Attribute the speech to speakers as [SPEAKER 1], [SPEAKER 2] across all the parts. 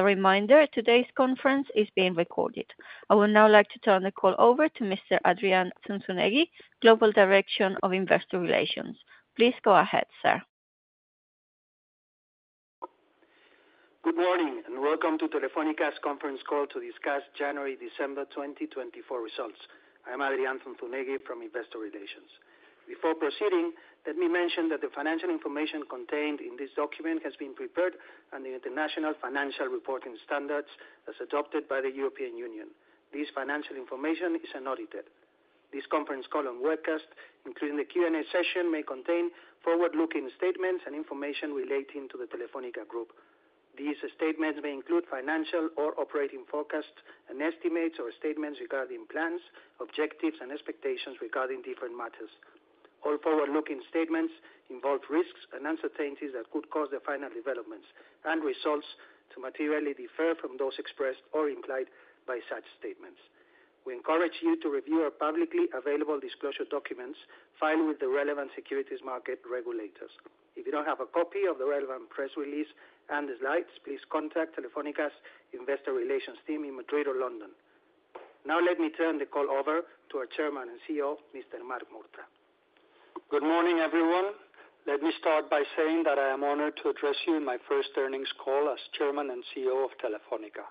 [SPEAKER 1] As a reminder, today's conference is being recorded. I would now like to turn the call over to Mr. Adrián Zunzunegui, Global Director of Investor Relations. Please go ahead, sir.
[SPEAKER 2] Good morning and welcome to Telefónica's conference call to discuss January-December 2024 results. I am Adrián Zunzunegui from Investor Relations. Before proceeding, let me mention that the financial information contained in this document has been prepared under international financial reporting standards as adopted by the European Union. This financial information is unaudited. This conference call and webcast, including the Q&A session, may contain forward-looking statements and information relating to the Telefónica Group. These statements may include financial or operating forecasts and estimates or statements regarding plans, objectives, and expectations regarding different matters. All forward-looking statements involve risks and uncertainties that could cause the final developments and results to materially differ from those expressed or implied by such statements. We encourage you to review our publicly available disclosure documents filed with the relevant securities market regulators. If you don't have a copy of the relevant press release and the slides, please contact Telefónica's Investor Relations team in Madrid or London. Now, let me turn the call over to our Chairman and CEO, Mr. Marc Murtra.
[SPEAKER 3] Good morning, everyone. Let me start by saying that I am honored to address you in my first earnings call as Chairman and CEO of Telefónica.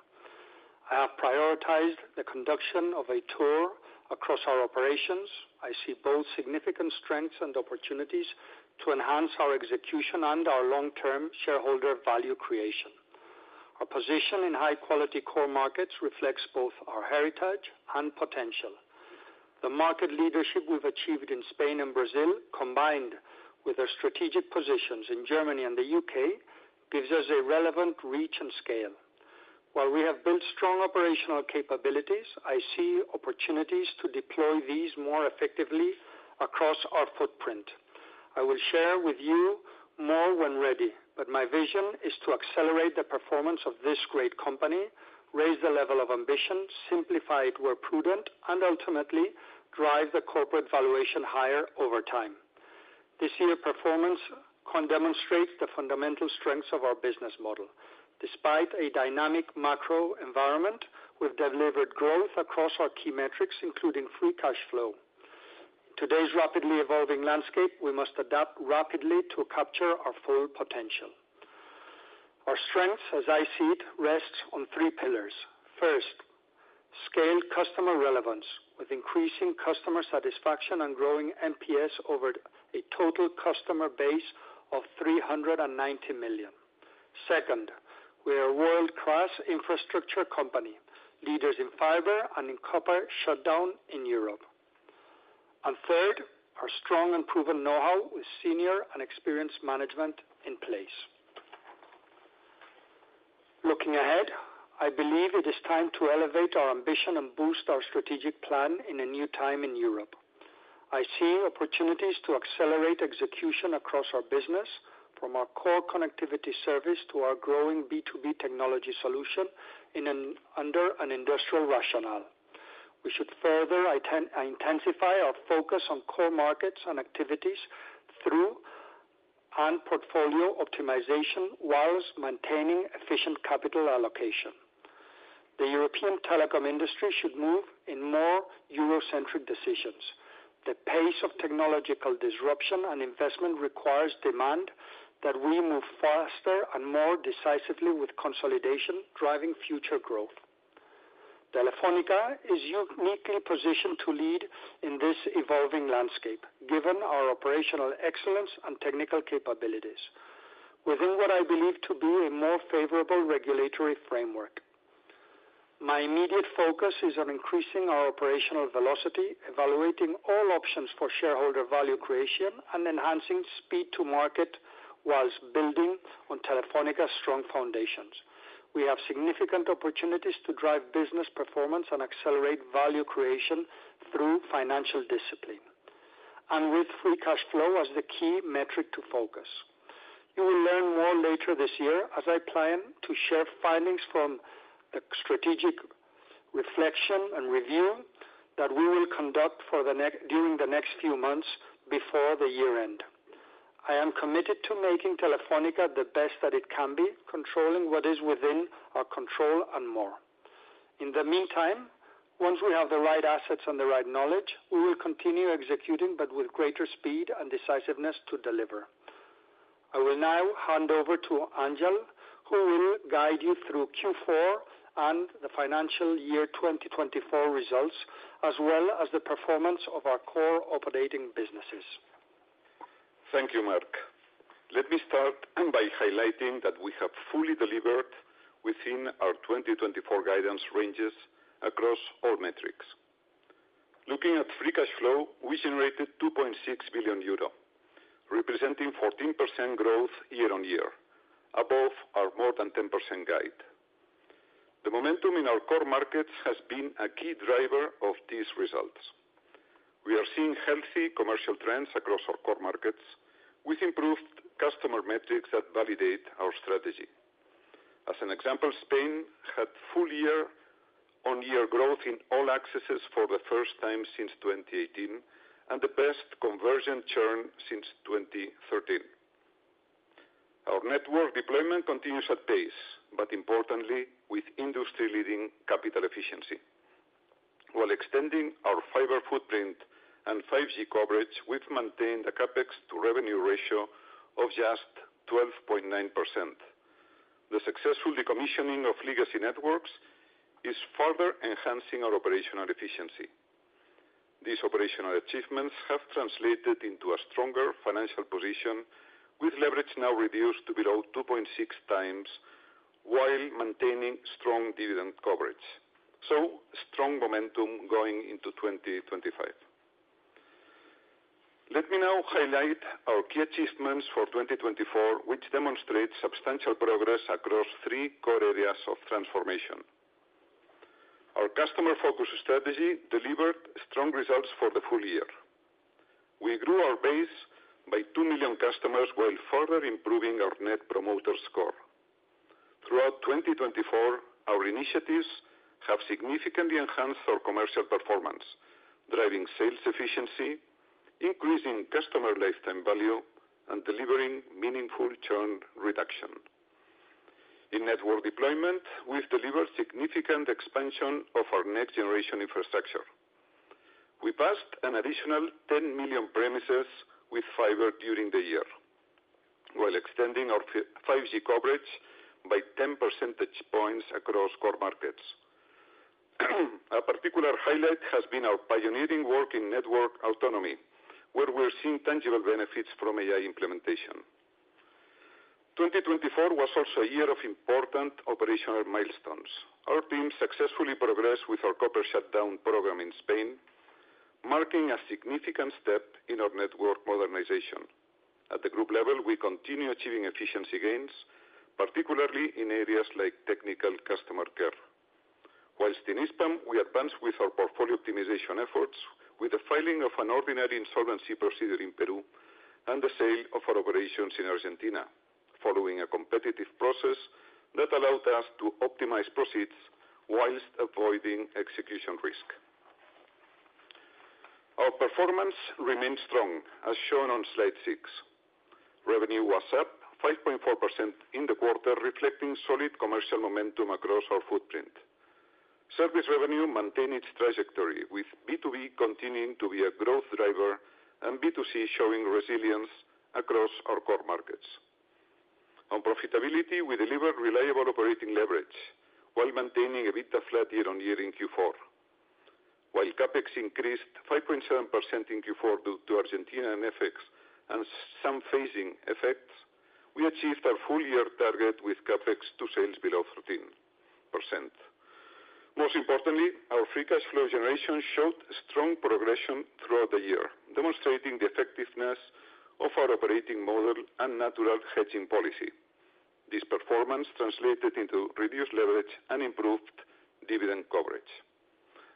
[SPEAKER 3] I have prioritized the conduction of a tour across our operations. I see both significant strengths and opportunities to enhance our execution and our long-term shareholder value creation. Our position in high-quality core markets reflects both our heritage and potential. The market leadership we've achieved in Spain and Brazil, combined with our strategic positions in Germany and the U.K., gives us a relevant reach and scale. While we have built strong operational capabilities, I see opportunities to deploy these more effectively across our footprint. I will share with you more when ready, but my vision is to accelerate the performance of this great company, raise the level of ambition, simplify it where prudent, and ultimately drive the corporate valuation higher over time. This year's performance demonstrates the fundamental strengths of our business model. Despite a dynamic macro environment, we've delivered growth across our key metrics, including free cash flow. In today's rapidly evolving landscape, we must adapt rapidly to capture our full potential. Our strengths, as I see it, rest on three pillars. First, scaled customer relevance with increasing customer satisfaction and growing NPS over a total customer base of 390 million. Second, we are a world-class infrastructure company, leaders in fiber and in copper shutdown in Europe, and third, our strong and proven know-how with senior and experienced management in place. Looking ahead, I believe it is time to elevate our ambition and boost our strategic plan in a new time in Europe. I see opportunities to accelerate execution across our business, from our core connectivity service to our growing B2B technology solution under an industrial rationale. We should further intensify our focus on core markets and activities through portfolio optimization whilst maintaining efficient capital allocation. The European telecom industry should move in more Eurocentric decisions. The pace of technological disruption and investment requires demand that we move faster and more decisively with consolidation, driving future growth. Telefónica is uniquely positioned to lead in this evolving landscape, given our operational excellence and technical capabilities, within what I believe to be a more favorable regulatory framework. My immediate focus is on increasing our operational velocity, evaluating all options for shareholder value creation, and enhancing speed to market whilst building on Telefónica's strong foundations. We have significant opportunities to drive business performance and accelerate value creation through financial discipline, and with free cash flow as the key metric to focus. You will learn more later this year as I plan to share findings from the strategic reflection and review that we will conduct during the next few months before the year-end. I am committed to making Telefónica the best that it can be, controlling what is within our control and more. In the meantime, once we have the right assets and the right knowledge, we will continue executing, but with greater speed and decisiveness to deliver. I will now hand over to Ángel, who will guide you through Q4 and the financial year 2024 results, as well as the performance of our core operating businesses.
[SPEAKER 4] Thank you, Marc. Let me start by highlighting that we have fully delivered within our 2024 guidance ranges across all metrics. Looking at free cash flow, we generated 2.6 billion euro, representing 14% growth year-on-year, above our more-than-10% guide. The momentum in our core markets has been a key driver of these results. We are seeing healthy commercial trends across our core markets, with improved customer metrics that validate our strategy. As an example, Spain had full-year-on-year growth in all axes for the first time since 2018 and the best conversion churn since 2013. Our network deployment continues at pace, but importantly, with industry-leading capital efficiency. While extending our fiber footprint and 5G coverage, we've maintained a CapEx-to-revenue ratio of just 12.9%. The successful decommissioning of legacy networks is further enhancing our operational efficiency. These operational achievements have translated into a stronger financial position, with leverage now reduced to below 2.6 times while maintaining strong dividend coverage. So, strong momentum going into 2025. Let me now highlight our key achievements for 2024, which demonstrate substantial progress across three core areas of transformation. Our customer-focused strategy delivered strong results for the full year. We grew our base by two million customers while further improving our Net Promoter Score. Throughout 2024, our initiatives have significantly enhanced our commercial performance, driving sales efficiency, increasing customer lifetime value, and delivering meaningful churn reduction. In network deployment, we've delivered significant expansion of our next-generation infrastructure. We passed an additional 10 million premises with fiber during the year, while extending our 5G coverage by 10 percentage points across core markets. A particular highlight has been our pioneering work in network autonomy, where we're seeing tangible benefits from AI implementation. 2024 was also a year of important operational milestones. Our team successfully progressed with our copper shutdown program in Spain, marking a significant step in our network modernization. At the group level, we continue achieving efficiency gains, particularly in areas like technical customer care. While in Hispam, we advanced with our portfolio optimization efforts, with the filing of an ordinary insolvency procedure in Peru and the sale of our operations in Argentina, following a competitive process that allowed us to optimize proceeds while avoiding execution risk. Our performance remained strong, as shown on slide six. Revenue was up 5.4% in the quarter, reflecting solid commercial momentum across our footprint. Service revenue maintained its trajectory, with B2B continuing to be a growth driver and B2C showing resilience across our core markets. On profitability, we delivered reliable operating leverage while maintaining EBITDA flat year-on-year in Q4. While CapEx increased 5.7% in Q4 due to Argentina and FX and some phasing effects, we achieved our full-year target with CapEx to sales below 13%. Most importantly, our free cash flow generation showed strong progression throughout the year, demonstrating the effectiveness of our operating model and natural hedging policy. This performance translated into reduced leverage and improved dividend coverage.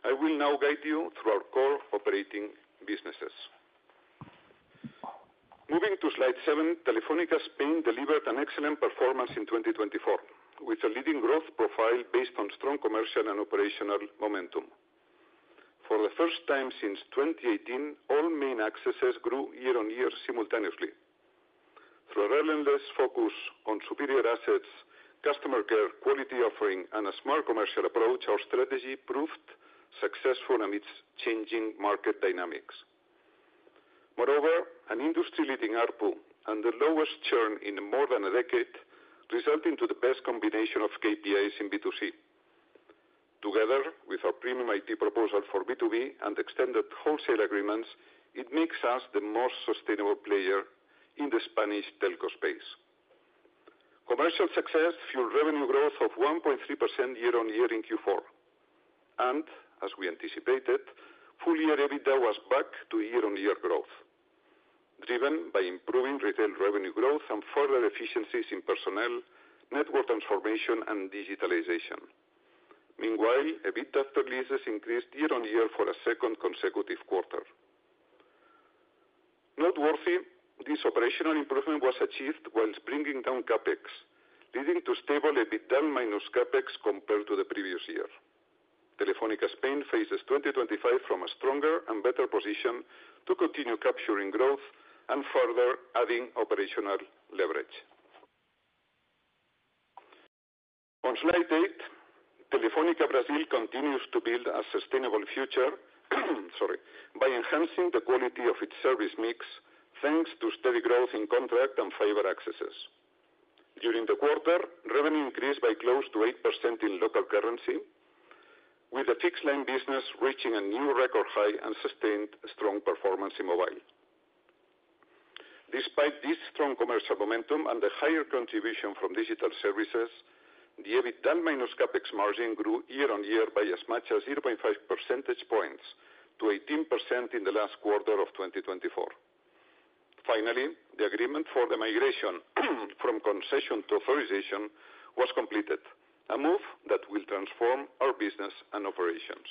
[SPEAKER 4] I will now guide you through our core operating businesses. Moving to slide 7, Telefónica Spain delivered an excellent performance in 2024, with a leading growth profile based on strong commercial and operational momentum. For the first time since 2018, all main axes grew year-on-year simultaneously. Through a relentless focus on superior assets, customer care, quality offering, and a smart commercial approach, our strategy proved successful amidst changing market dynamics. Moreover, an industry-leading ARPU and the lowest churn in more than a decade, resulting in the best combination of KPIs in B2C. Together with our premium IP proposal for B2B and extended wholesale agreements, it makes us the most sustainable player in the Spanish telco space. Commercial success fueled revenue growth of 1.3% year-on-year in Q4. And, as we anticipated, full-year EBITDA was back to year-on-year growth, driven by improving retail revenue growth and further efficiencies in personnel, network transformation, and digitalization. Meanwhile, EBIT after leases increased year-on-year for a second consecutive quarter. Noteworthy, this operational improvement was achieved whilst bringing down CapEx, leaing to stable EBITDA minus CapEx compared to the previous year. Telefónica Spain faces 2025 from a stronger and better position to continue capturing growth and further adding operational leverage. On slide eight, Telefónica Brasil continues to build a sustainable future by enhancing the quality of its service mix, thanks to steady growth in contract and fiber accesses. During the quarter, revenue increased by close to 8% in local currency, with the fixed-line business reaching a new record high and sustained strong performance in mobile. Despite this strong commercial momentum and the higher contribution from digital services, the EBITDA minus CapEx margin grew year-on-year by as much as 0.5 percentage points to 18% in the last quarter of 2024. Finally, the agreement for the migration from concession to authorization was completed, a move that will transform our business and operations.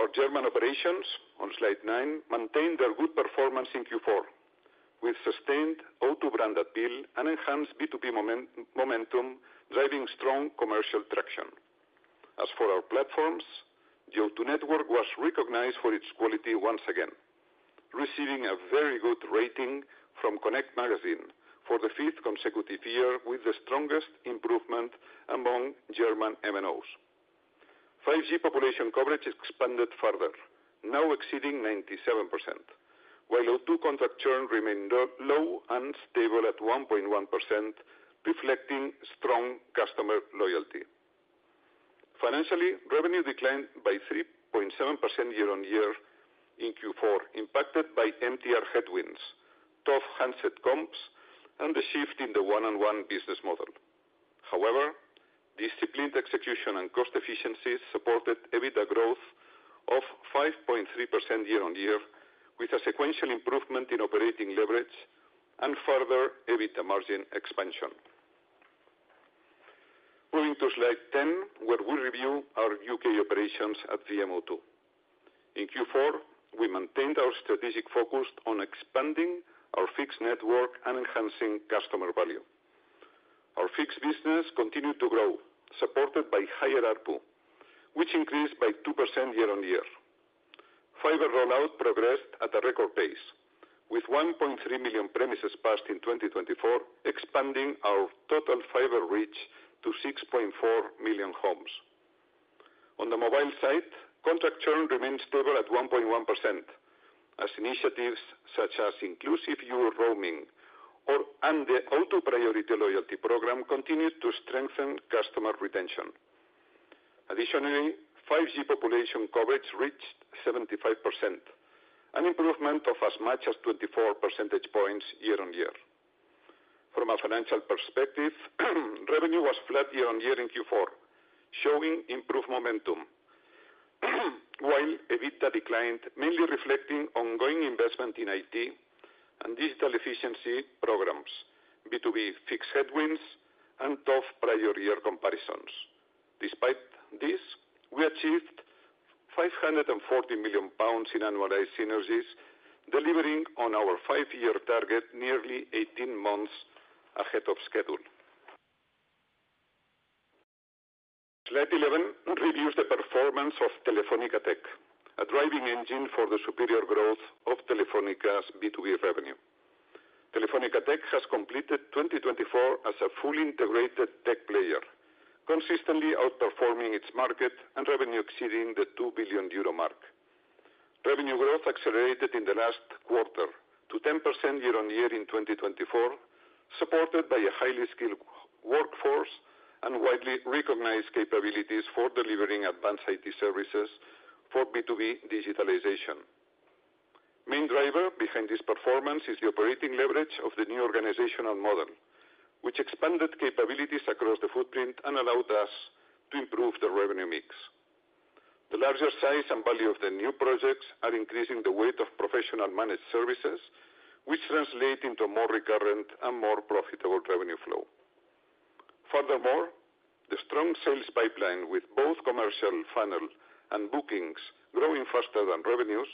[SPEAKER 4] Our German operations, on slide nine, maintained their good performance in Q4, with sustained O2-brand appeal and enhanced B2B momentum driving strong commercial traction. As for our platforms, the O2 network was recognized for its quality once again, receiving a very good rating from Connect Magazine for the fifth consecutive year with the strongest improvement among German MNOs. 5G population coverage expanded further, now exceeding 97%, while O2 contract churn remained low and stable at 1.1%, reflecting strong customer loyalty. Financially, revenue declined by 3.7% year-on-year in Q4, impacted by MTR headwinds, tough handset comps, and the shift in the 1&1 business model. However, disciplined execution and cost efficiency supported EBITDA growth of 5.3% year-on-year, with a sequential improvement in operating leverage and further EBITDA margin expansion. Moving to slide 10, where we review our UK operations at VMO2. In Q4, we maintained our strategic focus on expanding our fixed network and enhancing customer value. Our fixed business continued to grow, supported by higher ARPU, which increased by 2% year-on-year. Fiber rollout progressed at a record pace, with 1.3 million premises passed in 2024, expanding our total fiber reach to 6.4 million homes. On the mobile side, contract churn remained stable at 1.1%, as initiatives such as inclusive Euro roaming or the O2 Priority loyalty program continued to strengthen customer retention. Additionally, 5G population coverage reached 75%, an improvement of as much as 24 percentage points year-on-year. From a financial perspective, revenue was flat year-on-year in Q4, showing improved momentum, while EBITDA declined, mainly reflecting ongoing investment in IT and digital efficiency programs, B2B fixed headwinds, and tough prior-year comparisons. Despite this, we achieved 540 million pounds in annualized synergies, delivering on our five-year target nearly 18 months ahead of schedule. Slide 11 reviews the performance of Telefónica Tech, a driving engine for the superior growth of Telefónica's B2B revenue. Telefónica Tech has completed 2024 as a fully integrated tech player, consistently outperforming its market and revenue exceeding the 2 billion euro mark. Revenue growth accelerated in the last quarter to 10% year-on-year in 2024, supported by a highly skilled workforce and widely recognized capabilities for delivering advanced IT services for B2B digitalization. Main driver behind this performance is the operating leverage of the new organizational model, which expanded capabilities across the footprint and allowed us to improve the revenue mix. The larger size and value of the new projects are increasing the weight of professional managed services, which translate into a more recurrent and more profitable revenue flow. Furthermore, the strong sales pipeline with both commercial funnel and bookings growing faster than revenues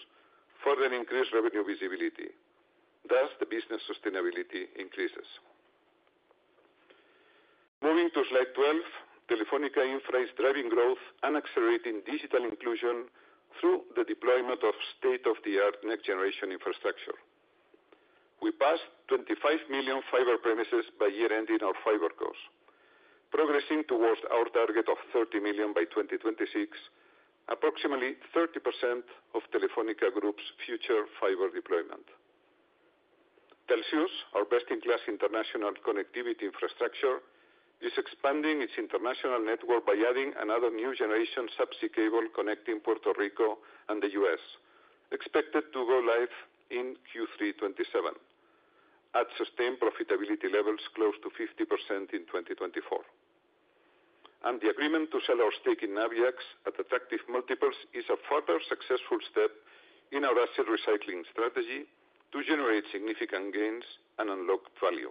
[SPEAKER 4] further increases revenue visibility. Thus, the business sustainability increases. Moving to slide 12, Telefónica Infra is driving growth and accelerating digital inclusion through the deployment of state-of-the-art next-generation infrastructure. We passed 25 million fiber premises by year-end in our fiber footprint, progressing towards our target of 30 million by 2026, approximately 30% of Telefónica Group's future fiber deployment. Telxius, our best-in-class international connectivity infrastructure, is expanding its international network by adding another new-generation subsea cable connecting Puerto Rico and the U.S., expected to go live in Q3 2027, at sustained profitability levels close to 50% in 2024. And the agreement to sell our stake in Nabiax at attractive multiples is a further successful step in our asset recycling strategy to generate significant gains and unlock value,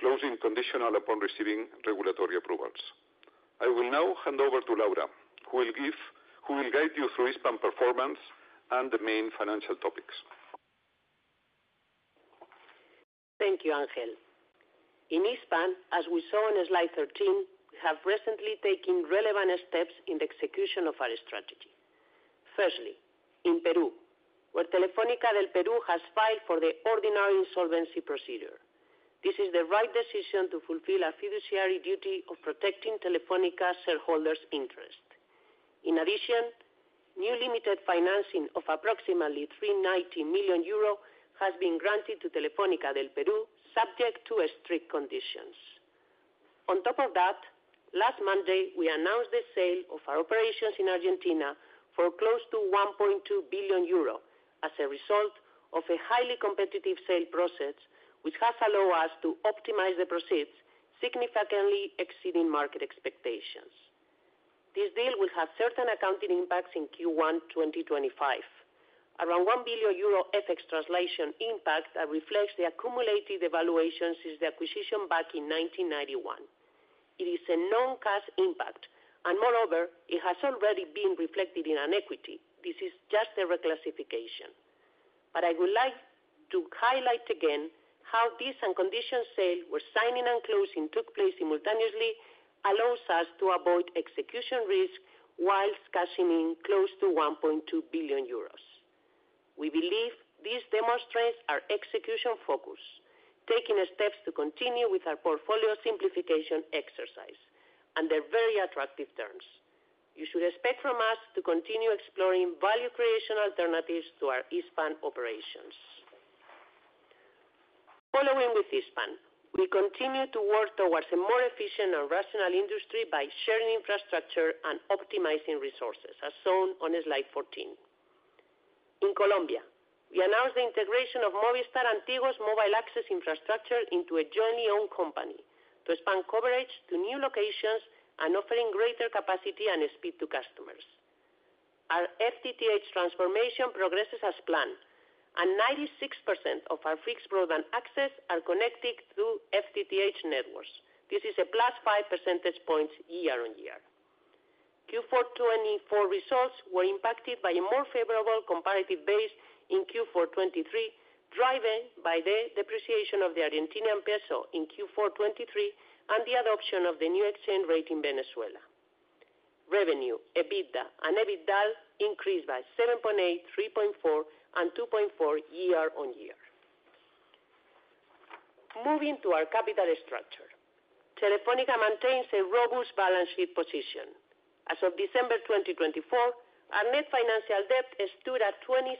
[SPEAKER 4] closing conditional upon receiving regulatory approvals. I will now hand over to Laura, who will guide you through Hispam performance and the main financial topics.
[SPEAKER 5] Thank you, Ángel. In Hispam, as we saw on slide 13, we have recently taken relevant steps in the execution of our strategy. Firstly, in Peru, where Telefónica del Perú has filed for the ordinary insolvency procedure, this is the right decision to fulfill a fiduciary duty of protecting Telefónica shareholders' interest. In addition, new limited financing of approximately 390 million euro has been granted to Telefónica del Perú, subject to strict conditions. On top of that, last Monday, we announced the sale of our operations in Argentina for close to 1.2 billion euro as a result of a highly competitive sale process, which has allowed us to optimize the proceeds, significantly exceeding market expectations. This deal will have certain accounting impacts in Q1 2025, around 1 billion euro FX translation impact that reflects the accumulated devaluation since the acquisition back in 1991. It is a non-cash impact, and moreover, it has already been reflected in an equity. This is just a reclassification, but I would like to highlight again how this unconditional sale where signing and closing took place simultaneously allows us to avoid execution risk while cashing in close to 1.2 billion euros. We believe this demonstrates our execution focus, taking steps to continue with our portfolio simplification exercise and their very attractive terms. You should expect from us to continue exploring value creation alternatives to our Hispam operations. Following with Hispam, we continue to work towards a more efficient and rational industry by sharing infrastructure and optimizing resources, as shown on slide 14. In Colombia, we announced the integration of Movistar and Tigo's mobile access infrastructure into a jointly owned company to expand coverage to new locations and offering greater capacity and speed to customers. Our FTTH transformation progresses as planned, and 96% of our fixed broadband access are connected through FTTH networks. This is a plus five percentage points year-on-year. Q4 2024 results were impacted by a more favorable comparative base in Q4 2023, driven by the depreciation of the Argentine peso in Q4 2023 and the adoption of the new exchange rate in Venezuela. Revenue, EBITDA, and EBITDAaL increased by 7.8%, 3.4%, and 2.4% year-on-year. Moving to our capital structure, Telefónica maintains a robust balance sheet position. As of December 2024, our net financial debt stood at 27.2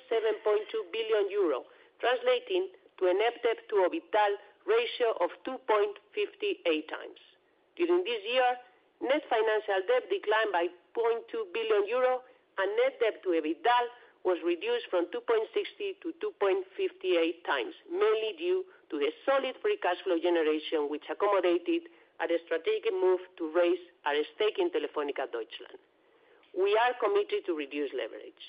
[SPEAKER 5] billion euro, translating to a net debt-to-EBITDAaL ratio of 2.58 times. During this year, net financial debt declined by 0.2 billion euro, and net debt-to-EBITDAaL was reduced from 2.60 to 2.58 times, mainly due to the solid free cash flow generation, which accommodated a strategic move to raise our stake in Telefónica Deutschland. We are committed to reduce leverage.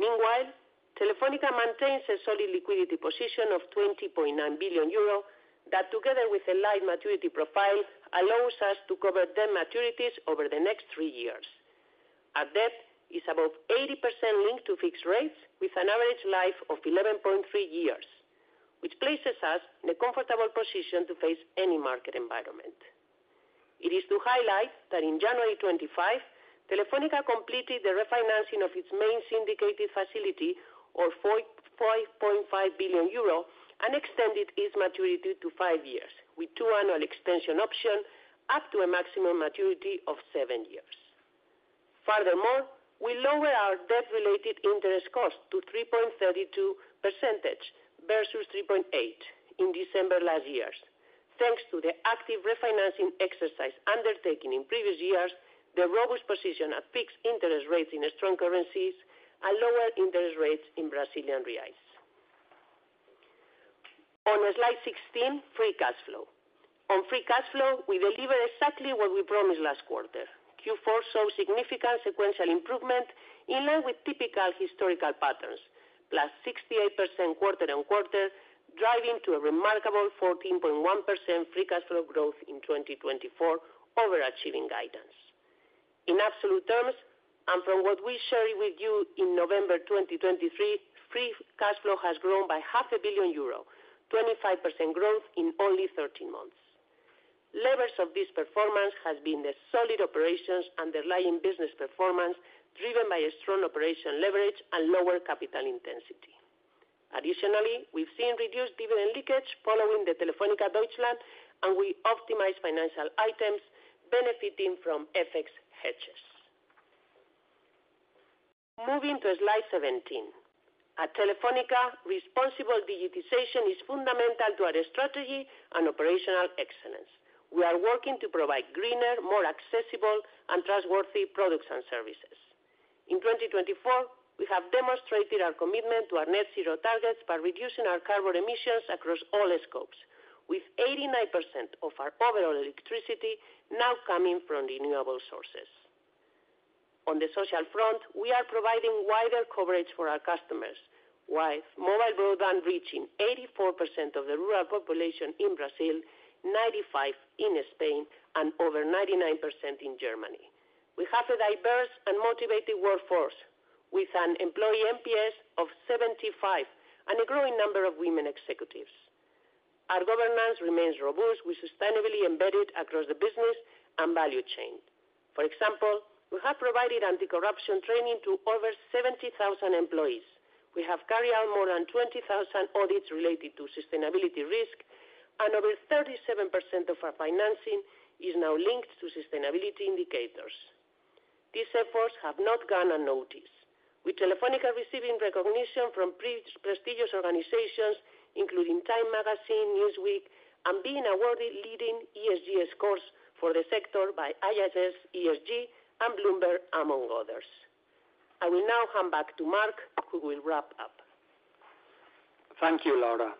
[SPEAKER 5] Meanwhile, Telefónica maintains a solid liquidity position of 20.9 billion euro that, together with a light maturity profile, allows us to cover debt maturities over the next three years. Our debt is above 80% linked to fixed rates, with an average life of 11.3 years, which places us in a comfortable position to face any market environment. It is to highlight that in January 2025, Telefónica completed the refinancing of its main syndicated facility, worth 5.5 billion euro, and extended its maturity to five years, with two annual extension options up to a maximum maturity of seven years. Furthermore, we lowered our debt-related interest cost to 3.32% versus 3.8% in December last year. Thanks to the active refinancing exercise undertaken in previous years, the robust position at fixed interest rates in strong currencies, and lower interest rates in Brazilian reais. On slide 16, free cash flow. On free cash flow, we delivered exactly what we promised last quarter. Q4 saw significant sequential improvement in line with typical historical patterns, plus 68% quarter-on-quarter, driving to a remarkable 14.1% free cash flow growth in 2024, overachieving guidance. In absolute terms, and from what we shared with you in November 2023, free cash flow has grown by €500 million, 25% growth in only 13 months. Levers of this performance have been the solid operations and the underlying business performance driven by strong operational leverage and lower capital intensity. Additionally, we've seen reduced dividend leakage following the Telefónica Deutschland, and we optimized financial items, benefiting from FX hedges. Moving to slide 17, at Telefónica, responsible digitization is fundamental to our strategy and operational excellence. We are working to provide greener, more accessible, and trustworthy products and services. In 2024, we have demonstrated our commitment to our net zero targets by reducing our carbon emissions across all scopes, with 89% of our overall electricity now coming from renewable sources. On the social front, we are providing wider coverage for our customers, with mobile broadband reaching 84% of the rural population in Brazil, 95% in Spain, and over 99% in Germany. We have a diverse and motivated workforce, with an employee NPS of 75 and a growing number of women executives. Our governance remains robust, which is sustainably embedded across the business and value chain. For example, we have provided anti-corruption training to over 70,000 employees. We have carried out more than 20,000 audits related to sustainability risk, and over 37% of our financing is now linked to sustainability indicators. These efforts have not gone unnoticed, with Telefónica receiving recognition from prestigious organizations, including Time Magazine, Newsweek, and being awarded leading ESG scores for the sector by ISS ESG and Bloomberg, among others. I will now hand back to Marc, who will wrap up.
[SPEAKER 3] Thank you, Laura.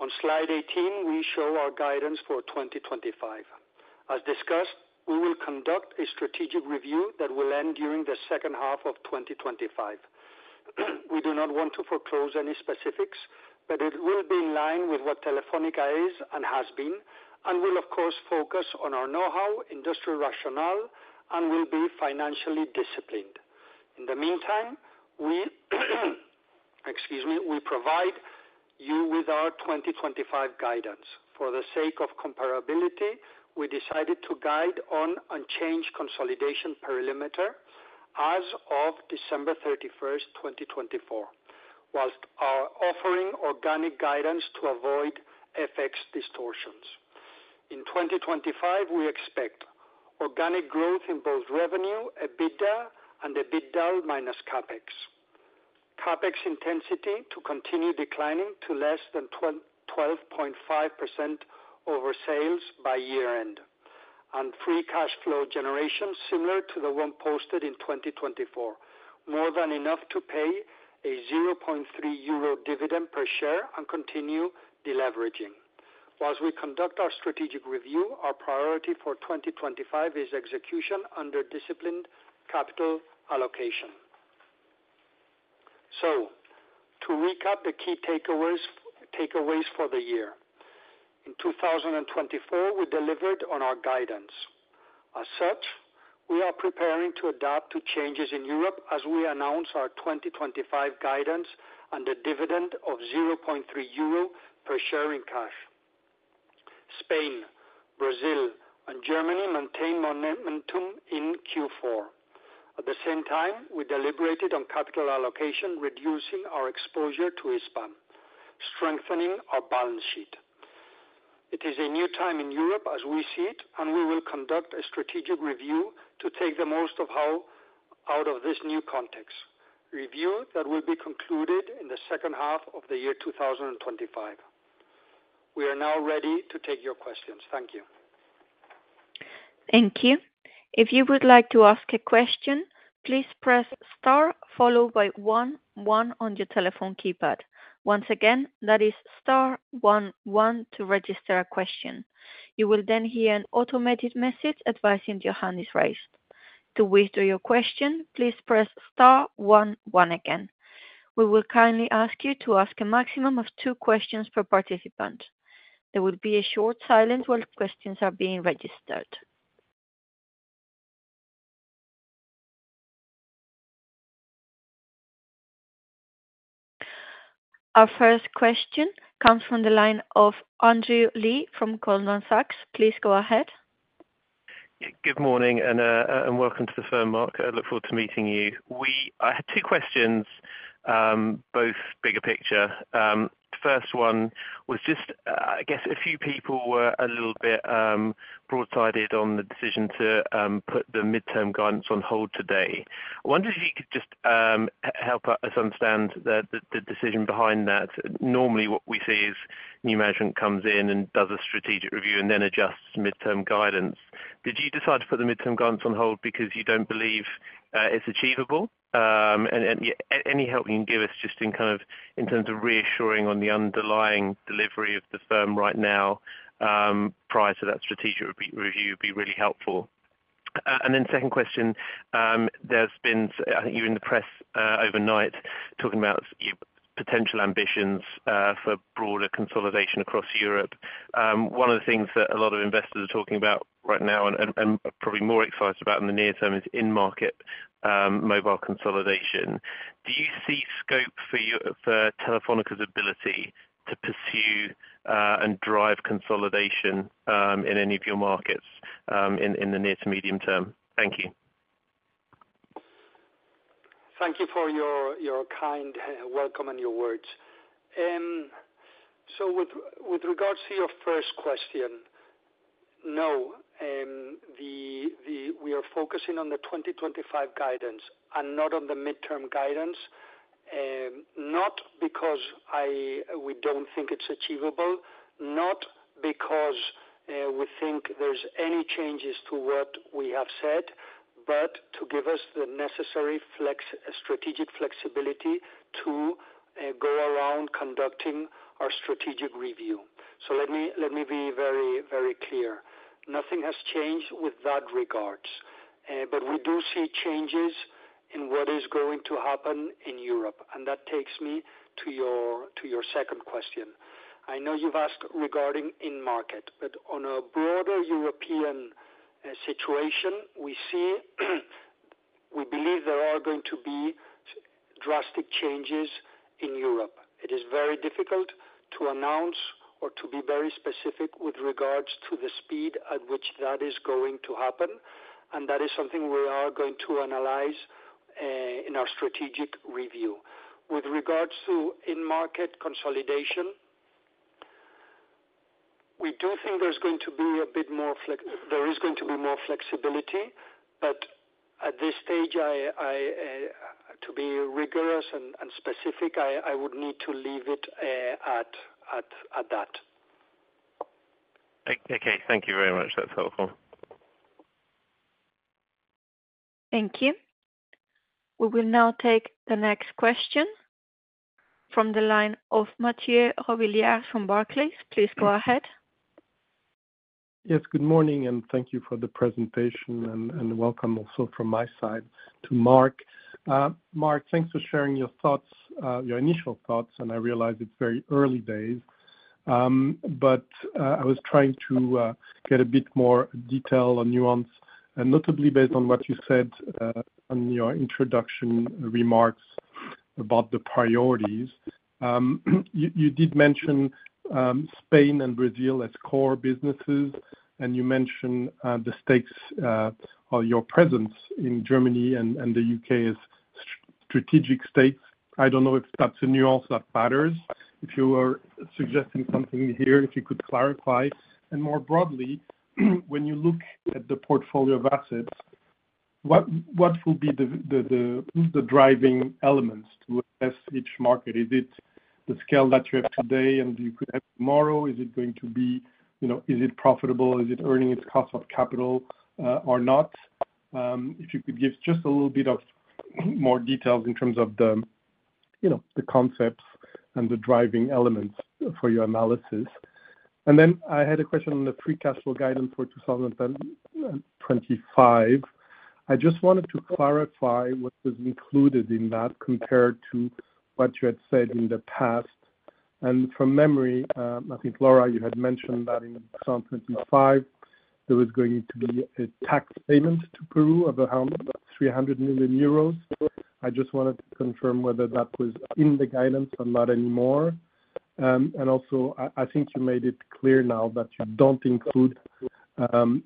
[SPEAKER 3] On slide 18, we show our guidance for 2025. As discussed, we will conduct a strategic review that will end during the second half of 2025. We do not want to foreclose any specifics, but it will be in line with what Telefónica is and has been, and will, of course, focus on our know-how, industrial rationale, and will be financially disciplined. In the meantime, we provide you with our 2025 guidance. For the sake of comparability, we decided to guide on unchanged consolidation perimeter as of December 31, 2024, whilst offering organic guidance to avoid FX distortions. In 2025, we expect organic growth in both revenue, EBITDA, and EBITDAaL minus CapEx. CapEx intensity to continue declining to less than 12.5% over sales by year-end, and free cash flow generation similar to the one posted in 2024, more than enough to pay a 0.3 euro dividend per share and continue deleveraging. While we conduct our strategic review, our priority for 2025 is execution under disciplined capital allocation. To recap the key takeaways for the year, in 2024, we delivered on our guidance. As such, we are preparing to adapt to changes in Europe as we announce our 2025 guidance and the dividend of 0.3 euro per share in cash. Spain, Brazil, and Germany maintain momentum in Q4. At the same time, we deliberated on capital allocation, reducing our exposure to Hispam, strengthening our balance sheet. It is a new time in Europe as we see it, and we will conduct a strategic review to take the most out of this new context, a review that will be concluded in the second half of the year 2025. We are now ready to take your questions. Thank you.
[SPEAKER 1] Thank you. If you would like to ask a question, please press star followed by one one on your telephone keypad. Once again, that is star one one to register a question. You will then hear an automated message advising your hand is raised. To withdraw your question, please press star one one again. We will kindly ask you to ask a maximum of two questions per participant. There will be a short silence while questions are being registered. Our first question comes from the line of Andrew Lee from Goldman Sachs. Please go ahead.
[SPEAKER 6] Good morning and welcome to the firm, Marc. I look forward to meeting you. I had two questions, both bigger picture. The first one was just, I guess, a few people were a little bit broadsided on the decision to put the midterm guidance on hold today. I wondered if you could just help us understand the decision behind that. Normally, what we see is new management comes in and does a strategic review and then adjusts midterm guidance. Did you decide to put the midterm guidance on hold because you don't believe it's achievable? Any help you can give us just in kind of in terms of reassuring on the underlying delivery of the firm right now prior to that strategic review would be really helpful. And then second question, there's been, I think you were in the press overnight talking about potential ambitions for broader consolidation across Europe. One of the things that a lot of investors are talking about right now and probably more excited about in the near term is in-market mobile consolidation. Do you see scope for Telefónica's ability to pursue and drive consolidation in any of your markets in the near to medium term? Thank you.
[SPEAKER 3] Thank you for your kind welcome and your words, so with regards to your first question, no, we are focusing on the 2025 guidance and not on the midterm guidance, not because we don't think it's achievable, not because we think there's any changes to what we have said, but to give us the necessary strategic flexibility to go around conducting our strategic review. So let me be very, very clear. Nothing has changed with that regards, but we do see changes in what is going to happen in Europe, and that takes me to your second question. I know you've asked regarding in-market, but on a broader European situation, we believe there are going to be drastic changes in Europe. It is very difficult to announce or to be very specific with regards to the speed at which that is going to happen, and that is something we are going to analyze in our strategic review. With regards to in-market consolidation, we do think there's going to be a bit more flexibility, but at this stage, to be rigorous and specific, I would need to leave it at that.
[SPEAKER 6] Okay. Thank you very much. That's helpful.
[SPEAKER 1] Thank you. We will now take the next question from the line of Mathieu Robilliard from Barclays. Please go ahead.
[SPEAKER 7] Yes, good morning, and thank you for the presentation, and welcome also from my side to Marc. Marc, thanks for sharing your thoughts, your initial thoughts, and I realize it's very early days, but I was trying to get a bit more detail or nuance, notably based on what you said in your introductory remarks about the priorities. You did mention Spain and Brazil as core businesses, and you mentioned the stakes of your presence in Germany and the U.K. as strategic assets. I don't know if that's a nuance that matters. If you were suggesting something here, if you could clarify. And more broadly, when you look at the portfolio of assets, what will be the driving elements to assess each market? Is it the scale that you have today and you could have tomorrow? Is it going to be profitable? Is it earning its cost of capital or not? If you could give just a little bit of more details in terms of the concepts and the driving elements for your analysis. And then I had a question on the free cash flow guidance for 2025. I just wanted to clarify what was included in that compared to what you had said in the past. And from memory, I think Laura, you had mentioned that in 2025, there was going to be a tax payment to Peru of around €300 million. I just wanted to confirm whether that was in the guidance or not anymore. And also, I think you made it clear now that you don't include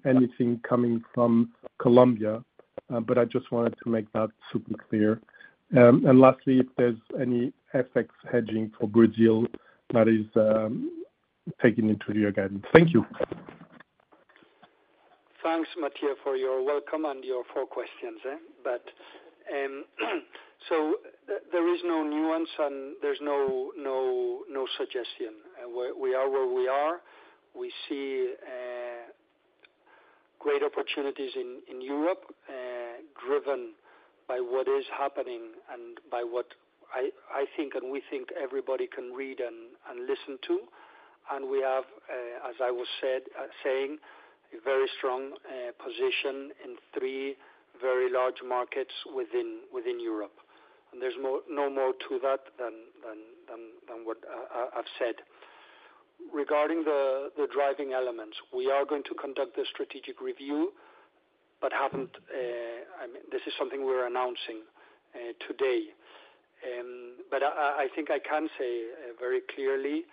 [SPEAKER 7] anything coming from Colombia, but I just wanted to make that super clear. And lastly, if there's any FX hedging for Brazil that is taken into your guidance? Thank you.
[SPEAKER 3] Thanks, Mathieu, for your welcome and your four questions. So there is no nuance and there's no suggestion. We are where we are. We see great opportunities in Europe driven by what is happening and by what I think and we think everybody can read and listen to. And we have, as I was saying, a very strong position in three very large markets within Europe. And there's no more to that than what I've said. Regarding the driving elements, we are going to conduct the strategic review, but this is something we're announcing today. But I think I can say very clearly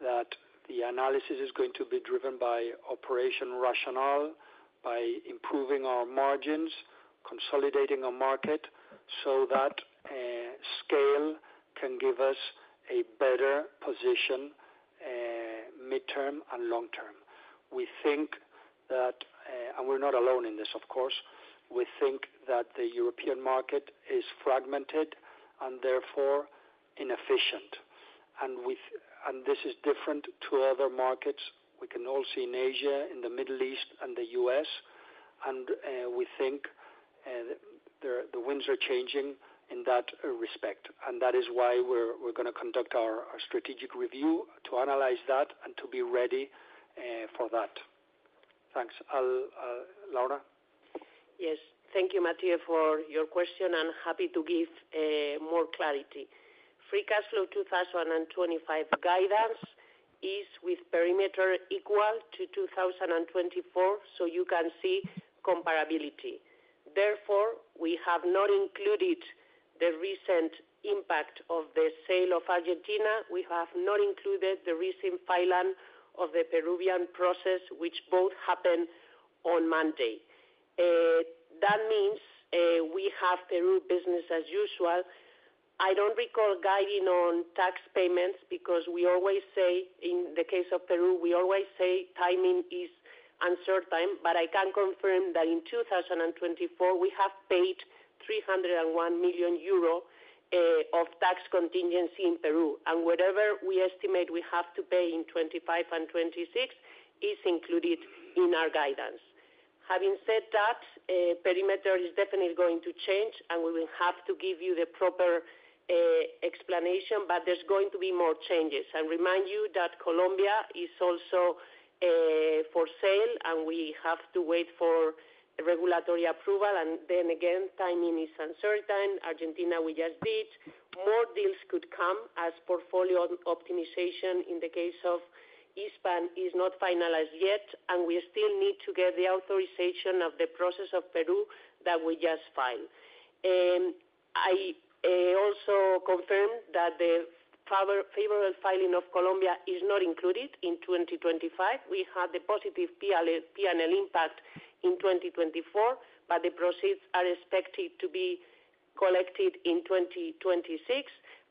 [SPEAKER 3] that the analysis is going to be driven by operational, by improving our margins, consolidating our market so that scale can give us a better position midterm and long term. We think that, and we're not alone in this, of course, we think that the European market is fragmented and therefore inefficient. This is different to other markets. We can all see in Asia, in the Middle East, and the U.S. We think the winds are changing in that respect. That is why we're going to conduct our strategic review to analyze that and to be ready for that. Thanks. Laura.
[SPEAKER 5] Yes. Thank you, Mathieu, for your question, and happy to give more clarity. Free cash flow 2025 guidance is with perimeter equal to 2024, so you can see comparability. Therefore, we have not included the recent impact of the sale of Argentina. We have not included the recent filing of the Peruvian process, which both happened on Monday. That means we have Peru business as usual. I don't recall guiding on tax payments because we always say, in the case of Peru, we always say timing is uncertain, but I can confirm that in 2024, we have paid 301 million euro of tax contingency in Peru. And whatever we estimate we have to pay in 2025 and 2026 is included in our guidance. Having said that, perimeter is definitely going to change, and we will have to give you the proper explanation, but there's going to be more changes. I remind you that Colombia is also for sale, and we have to wait for regulatory approval. And then again, timing is uncertain. Argentina, we just did. More deals could come as portfolio optimization in the case of Hispam is not finalized yet, and we still need to get the authorization of the process of Peru that we just filed. I also confirmed that the favorable filing of Colombia is not included in 2025. We have the positive P&L impact in 2024, but the proceeds are expected to be collected in 2026,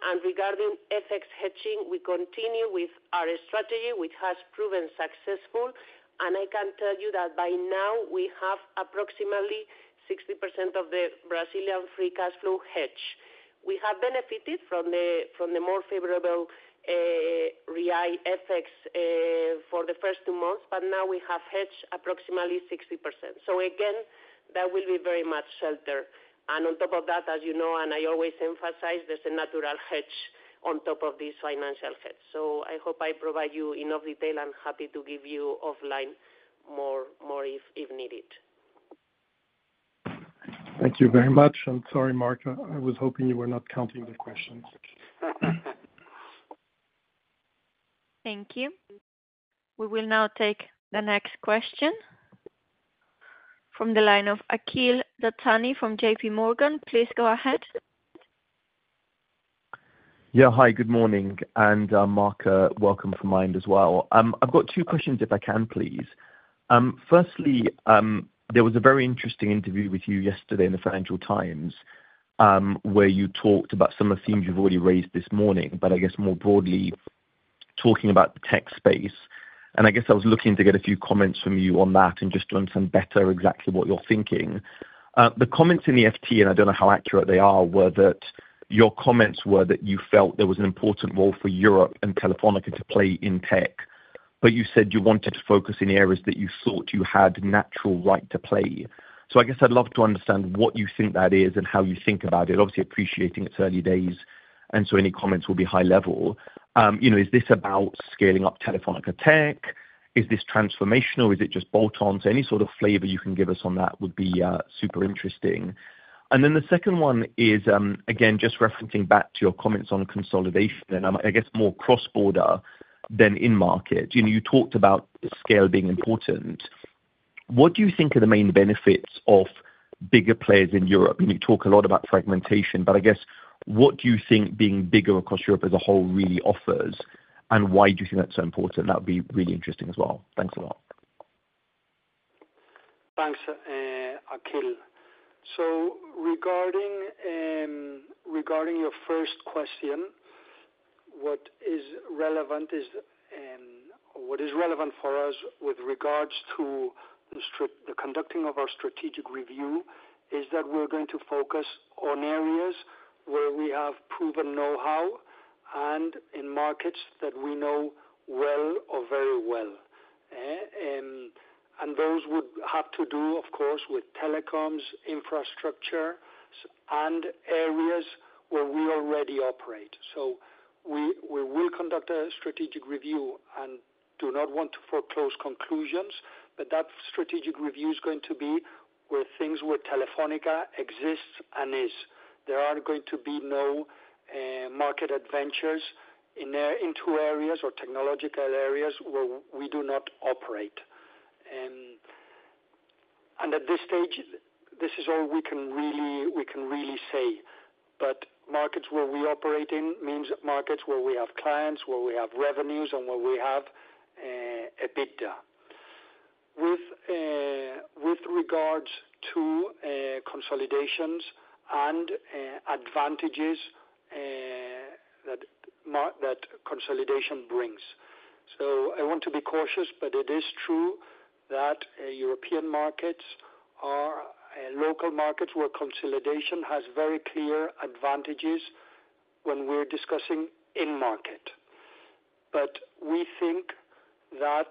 [SPEAKER 5] and regarding FX hedging, we continue with our strategy, which has proven successful. And I can tell you that by now, we have approximately 60% of the Brazilian free cash flow hedged. We have benefited from the more favorable Real FX for the first two months, but now we have hedged approximately 60%. So again, that will be very much sheltered, and on top of that, as you know, and I always emphasize, there's a natural hedge on top of this financial hedge. So I hope I provide you enough detail and happy to give you more offline if needed.
[SPEAKER 7] Thank you very much, and sorry, Marc, I was hoping you were not counting the questions.
[SPEAKER 1] Thank you. We will now take the next question from the line of Akhil Dattani from JPMorgan. Please go ahead.
[SPEAKER 8] Yeah. Hi, good morning. And Marc, welcome from me as well. I've got two questions if I can, please. Firstly, there was a very interesting interview with you yesterday in the Financial Times where you talked about some of the themes you've already raised this morning, but I guess more broadly, talking about the tech space. And I guess I was looking to get a few comments from you on that and just to understand better exactly what you're thinking. The comments in the FT, and I don't know how accurate they are, were that your comments were that you felt there was an important role for Europe and Telefónica to play in tech, but you said you wanted to focus in areas that you thought you had natural right to play. So I guess I'd love to understand what you think that is and how you think about it. Obviously, appreciating its early days, and so any comments will be high level. Is this about scaling up Telefónica Tech? Is this transformational? Is it just bolt-on? So any sort of flavor you can give us on that would be super interesting. And then the second one is, again, just referencing back to your comments on consolidation, and I guess more cross-border than in-market. You talked about scale being important. What do you think are the main benefits of bigger players in Europe? You talk a lot about fragmentation, but I guess what do you think being bigger across Europe as a whole really offers? And why do you think that's so important? That would be really interesting as well. Thanks a lot.
[SPEAKER 3] Thanks, Akhil. So regarding your first question, what is relevant for us with regards to the conducting of our strategic review is that we're going to focus on areas where we have proven know-how and in markets that we know well or very well. And those would have to do, of course, with telecoms, infrastructure, and areas where we already operate. So we will conduct a strategic review and do not want to foreclose conclusions, but that strategic review is going to be where things where Telefónica exists and is. There aren't going to be no market adventures in two areas or technological areas where we do not operate. And at this stage, this is all we can really say. But markets where we operate in means markets where we have clients, where we have revenues, and where we have EBITDA. With regards to consolidations and advantages that consolidation brings. So I want to be cautious, but it is true that European markets are local markets where consolidation has very clear advantages when we're discussing in-market. But we think that,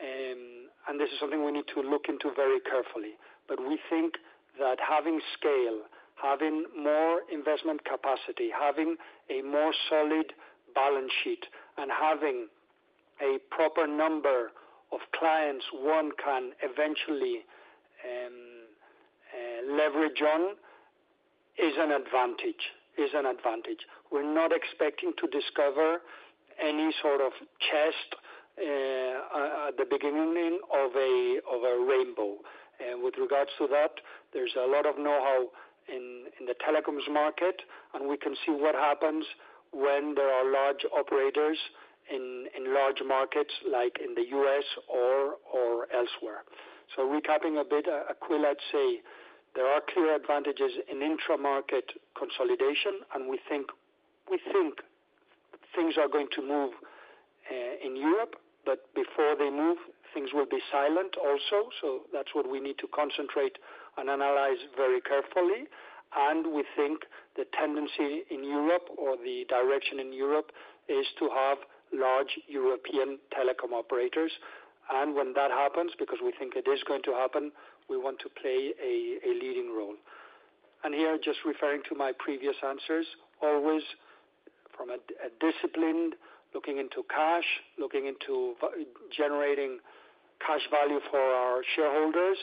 [SPEAKER 3] and this is something we need to look into very carefully, but we think that having scale, having more investment capacity, having a more solid balance sheet, and having a proper number of clients one can eventually leverage on is an advantage. We're not expecting to discover any sort of chest at the beginning of a rainbow. And with regards to that, there's a lot of know-how in the telecom market, and we can see what happens when there are large operators in large markets like in the U.S. or elsewhere. So recapping a bit, I would say there are clear advantages in intramarket consolidation, and we think things are going to move in Europe, but before they move, things will be slow also. So that's what we need to concentrate and analyze very carefully. And we think the tendency in Europe or the direction in Europe is to have large European telecom operators. And when that happens, because we think it is going to happen, we want to play a leading role. And here, just referring to my previous answers, always with discipline, looking into cash, looking into generating cash value for our shareholders,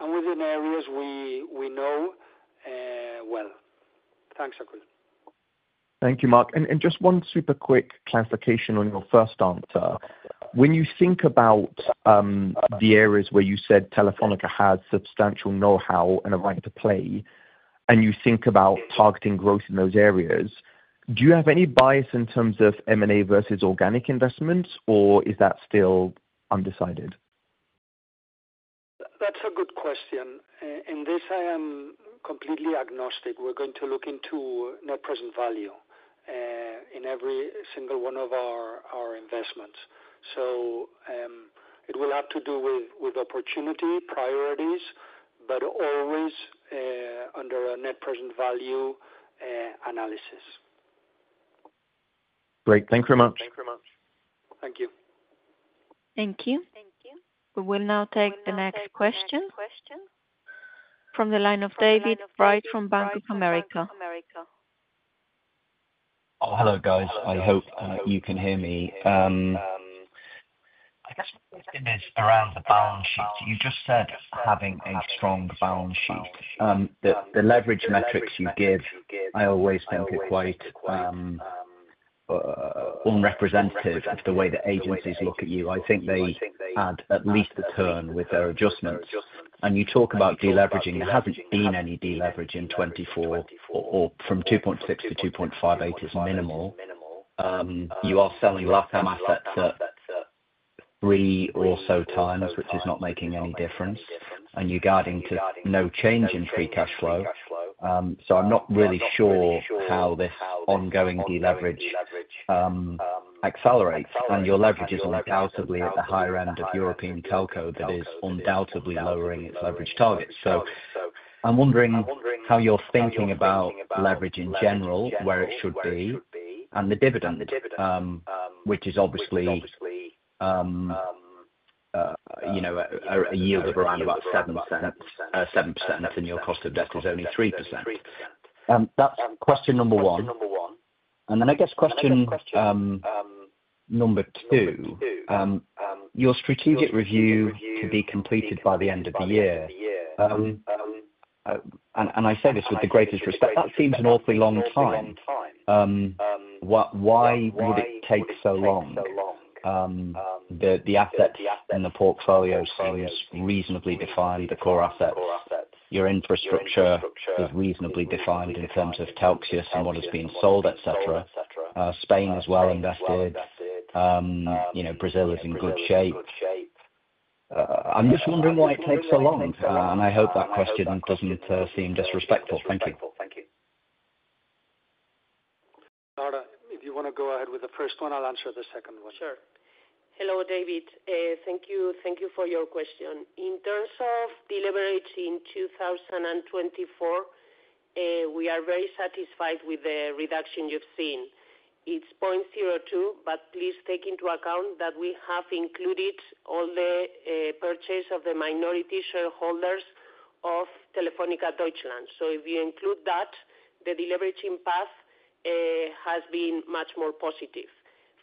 [SPEAKER 3] and within areas we know well. Thanks, Akhil.
[SPEAKER 8] Thank you, Marc. Just one super quick clarification on your first answer. When you think about the areas where you said Telefónica has substantial know-how and a right to play, and you think about targeting growth in those areas, do you have any bias in terms of M&A versus organic investments, or is that still undecided?
[SPEAKER 3] That's a good question. In this, I am completely agnostic. We're going to look into net present value in every single one of our investments. So it will have to do with opportunity, priorities, but always under a net present value analysis.
[SPEAKER 8] Great. Thank you very much. Thank you very much.
[SPEAKER 3] Thank you. Thank you.
[SPEAKER 1] Thank you. We will now take the next question from the line of David Wright from Bank of America.
[SPEAKER 9] Oh, hello, guys. I hope you can hear me. I guess the question is around the balance sheet. You just said having a strong balance sheet. The leverage metrics you give, I always think are quite unrepresentative of the way that agencies look at you. I think they add at least a turn with their adjustments. And you talk about deleveraging. There hasn't been any deleverage in 2024, or from 2.6 to 2.58 is minimal. You are selling LATAM assets at three or so times, which is not making any difference. And you're guiding to no change in free cash flow. So I'm not really sure how this ongoing deleverage accelerates. And your leverage is undoubtedly at the higher end of European telco that is undoubtedly lowering its leverage targets. So I'm wondering how you're thinking about leverage in general, where it should be, and the dividend, which is obviously a yield of around about 7%, and your cost of debt is only 3%. That's question number one. And then I guess question number two, your strategic review to be completed by the end of the year. And I say this with the greatest respect. That seems an awfully long time. Why would it take so long? The assets in the portfolio seems reasonably defined, the core assets. Your infrastructure is reasonably defined in terms of telcos and what is being sold, etc. Spain is well invested. Brazil is in good shape. I'm just wondering why it takes so long. And I hope that question doesn't seem disrespectful. Thank you.
[SPEAKER 3] Thank you. Laura, if you want to go ahead with the first one, I'll answer the second one.
[SPEAKER 5] Sure. Hello, David. Thank you for your question. In terms of deleverage in 2024, we are very satisfied with the reduction you've seen. It's 0.02, but please take into account that we have included all the purchase of the minority shareholders of Telefónica Deutschland. So if you include that, the deleveraging path has been much more positive.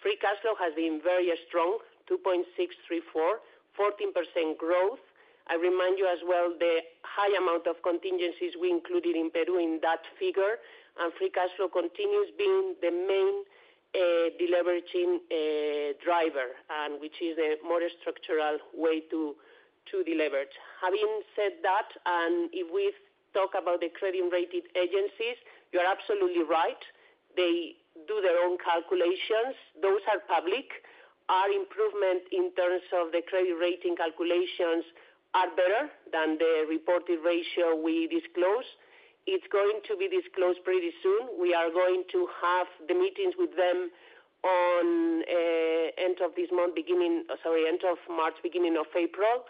[SPEAKER 5] Free cash flow has been very strong, 2.634, 14% growth. I remind you as well the high amount of contingencies we included in Peru in that figure, and free cash flow continues being the main deleveraging driver, which is the more structural way to deleverage. Having said that, and if we talk about the credit-rated agencies, you are absolutely right. They do their own calculations. Those are public. Our improvement in terms of the credit-rating calculations are better than the reported ratio we disclose. It's going to be disclosed pretty soon. We are going to have the meetings with them on end of this month, beginning sorry, end of March, beginning of April.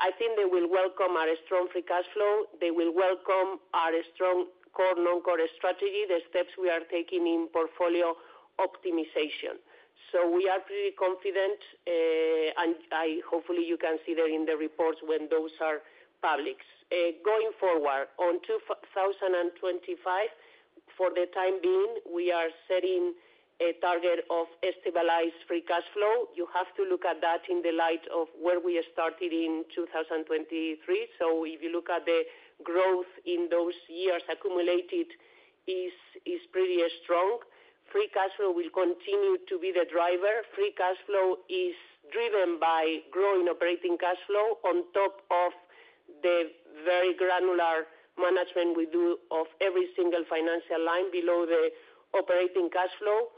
[SPEAKER 5] I think they will welcome our strong free cash flow. They will welcome our strong core non-core strategy, the steps we are taking in portfolio optimization. So we are pretty confident, and hopefully you can see that in the reports when those are public. Going forward, on 2025, for the time being, we are setting a target of stabilized free cash flow. You have to look at that in the light of where we started in 2023. So if you look at the growth in those years accumulated, it is pretty strong. Free cash flow will continue to be the driver. Free cash flow is driven by growing operating cash flow on top of the very granular management we do of every single financial line below the operating cash flow.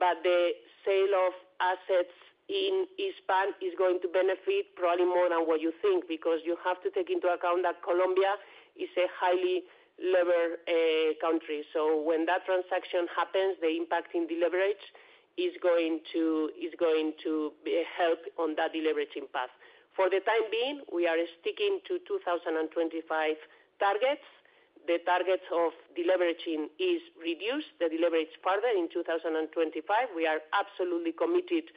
[SPEAKER 5] But the sale of assets in Hispam is going to benefit probably more than what you think because you have to take into account that Colombia is a highly levered country. So when that transaction happens, the impact in deleverage is going to help on that deleveraging path. For the time being, we are sticking to 2025 targets. The targets of deleveraging are reduced. The deleverage further in 2025. We are absolutely committed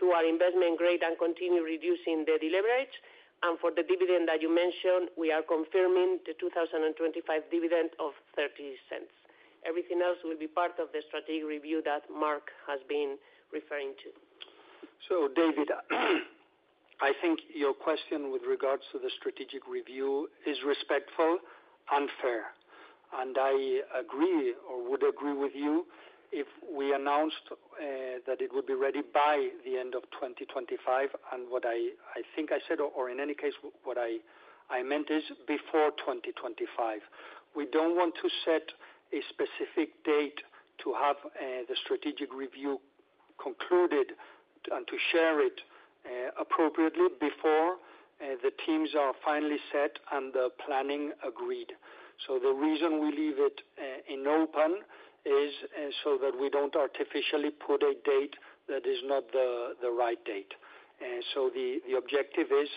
[SPEAKER 5] to our investment grade and continue reducing the deleverage. And for the dividend that you mentioned, we are confirming the 2025 dividend of 0.30. Everything else will be part of the strategic review that Marc has been referring to.
[SPEAKER 3] So, David, I think your question with regards to the strategic review is respectful and fair. And I agree or would agree with you if we announced that it would be ready by the end of 2025. What I think I said, or in any case, what I meant is before 2025. We don't want to set a specific date to have the strategic review concluded and to share it appropriately before the teams are finally set and the planning agreed. The reason we leave it open is so that we don't artificially put a date that is not the right date. The objective is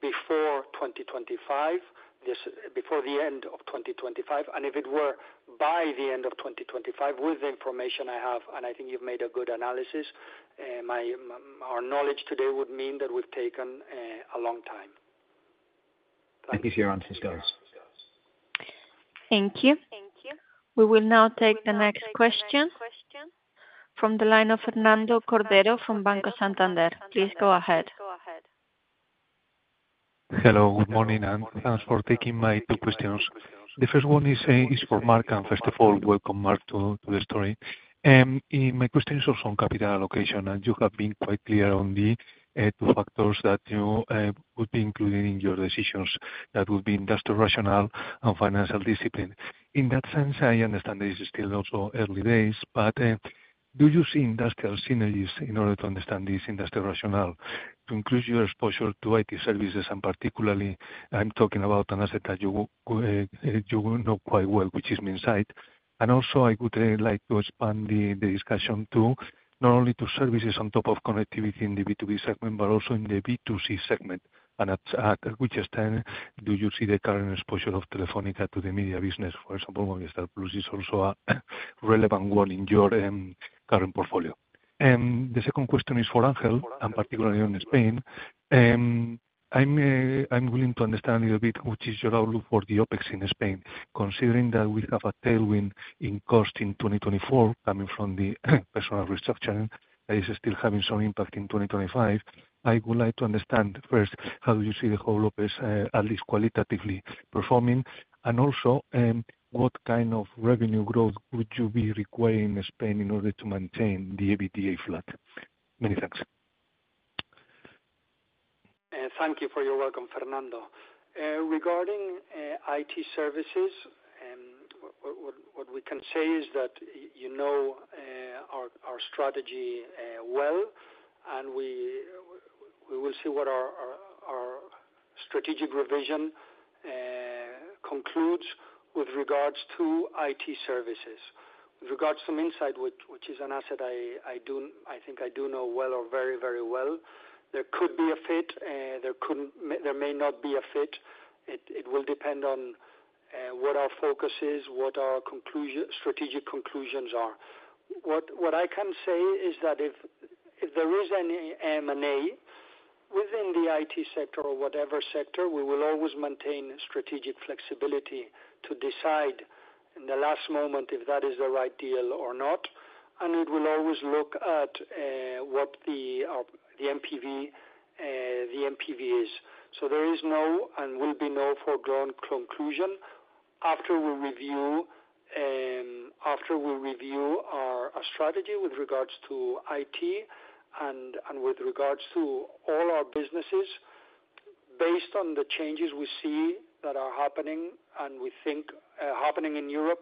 [SPEAKER 3] before 2025, before the end of 2025. If it were by the end of 2025, with the information I have, and I think you've made a good analysis, our knowledge today would mean that we've taken a long time.
[SPEAKER 9] Thank you for your answers, guys.
[SPEAKER 1] Thank you. We will now take the next question from the line of Fernando Cordero from Banco Santander. Please go ahead.
[SPEAKER 10] Hello. Good morning, and thanks for taking my two questions. The first one is for Marc, and first of all, welcome, Marc, to the story. My question is also on capital allocation, and you have been quite clear on the two factors that you would be including in your decisions that would be industrial rationale and financial discipline. In that sense, I understand that it's still also early days, but do you see industrial synergies in order to understand this industrial rationale to include your exposure to IT services, and particularly, I'm talking about an asset that you know quite well, which is Minsait? And also, I would like to expand the discussion to not only services on top of connectivity in the B2B segment, but also in the B2C segment. At which extent do you see the current exposure of Telefónica to the media business? For example, Movistar Plus is also a relevant one in your current portfolio. The second question is for Ángel, and particularly on Spain. I'm willing to understand a little bit which is your outlook for the OpEx in Spain. Considering that we have a tailwind in cost in 2024 coming from the personnel restructuring that is still having some impact in 2025, I would like to understand first how do you see the whole OpEx, at least qualitatively, performing, and also what kind of revenue growth would you be requiring in Spain in order to maintain the EBITDA flat? Many thanks.
[SPEAKER 3] Thank you for your welcome, Fernando. Regarding IT services, what we can say is that you know our strategy well, and we will see what our strategic revision concludes with regards to IT services. With regards to Minsait, which is an asset I think I do know well or very, very well, there could be a fit. There may not be a fit. It will depend on what our focus is, what our strategic conclusions are. What I can say is that if there is any M&A within the IT sector or whatever sector, we will always maintain strategic flexibility to decide in the last moment if that is the right deal or not, and it will always look at what the NPV is. So there is no and will be no foregone conclusion after we review our strategy with regards to IT and with regards to all our businesses based on the changes we see that are happening and we think are happening in Europe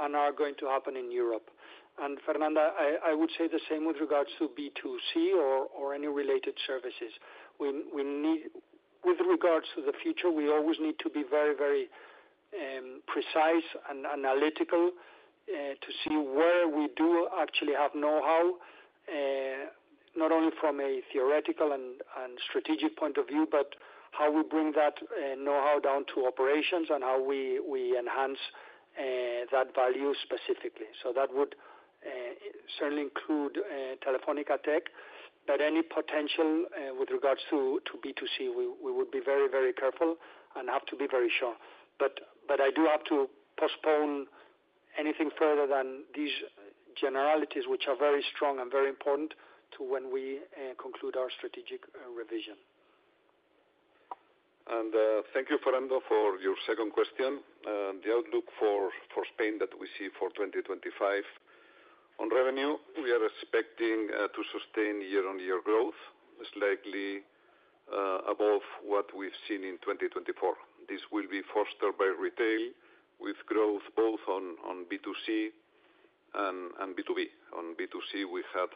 [SPEAKER 3] and are going to happen in Europe, and Fernando, I would say the same with regards to B2C or any related services. With regards to the future, we always need to be very, very precise and analytical to see where we do actually have know-how, not only from a theoretical and strategic point of view, but how we bring that know-how down to operations and how we enhance that value specifically. So that would certainly include Telefónica Tech, but any potential with regards to B2C, we would be very, very careful and have to be very sure. But I do have to postpone anything further than these generalities, which are very strong and very important to when we conclude our strategic revision.
[SPEAKER 4] And thank you, Fernando, for your second question. The outlook for Spain that we see for 2025 on revenue, we are expecting to sustain year-on-year growth, slightly above what we've seen in 2024. This will be fostered by retail with growth both on B2C and B2B. On B2C, we had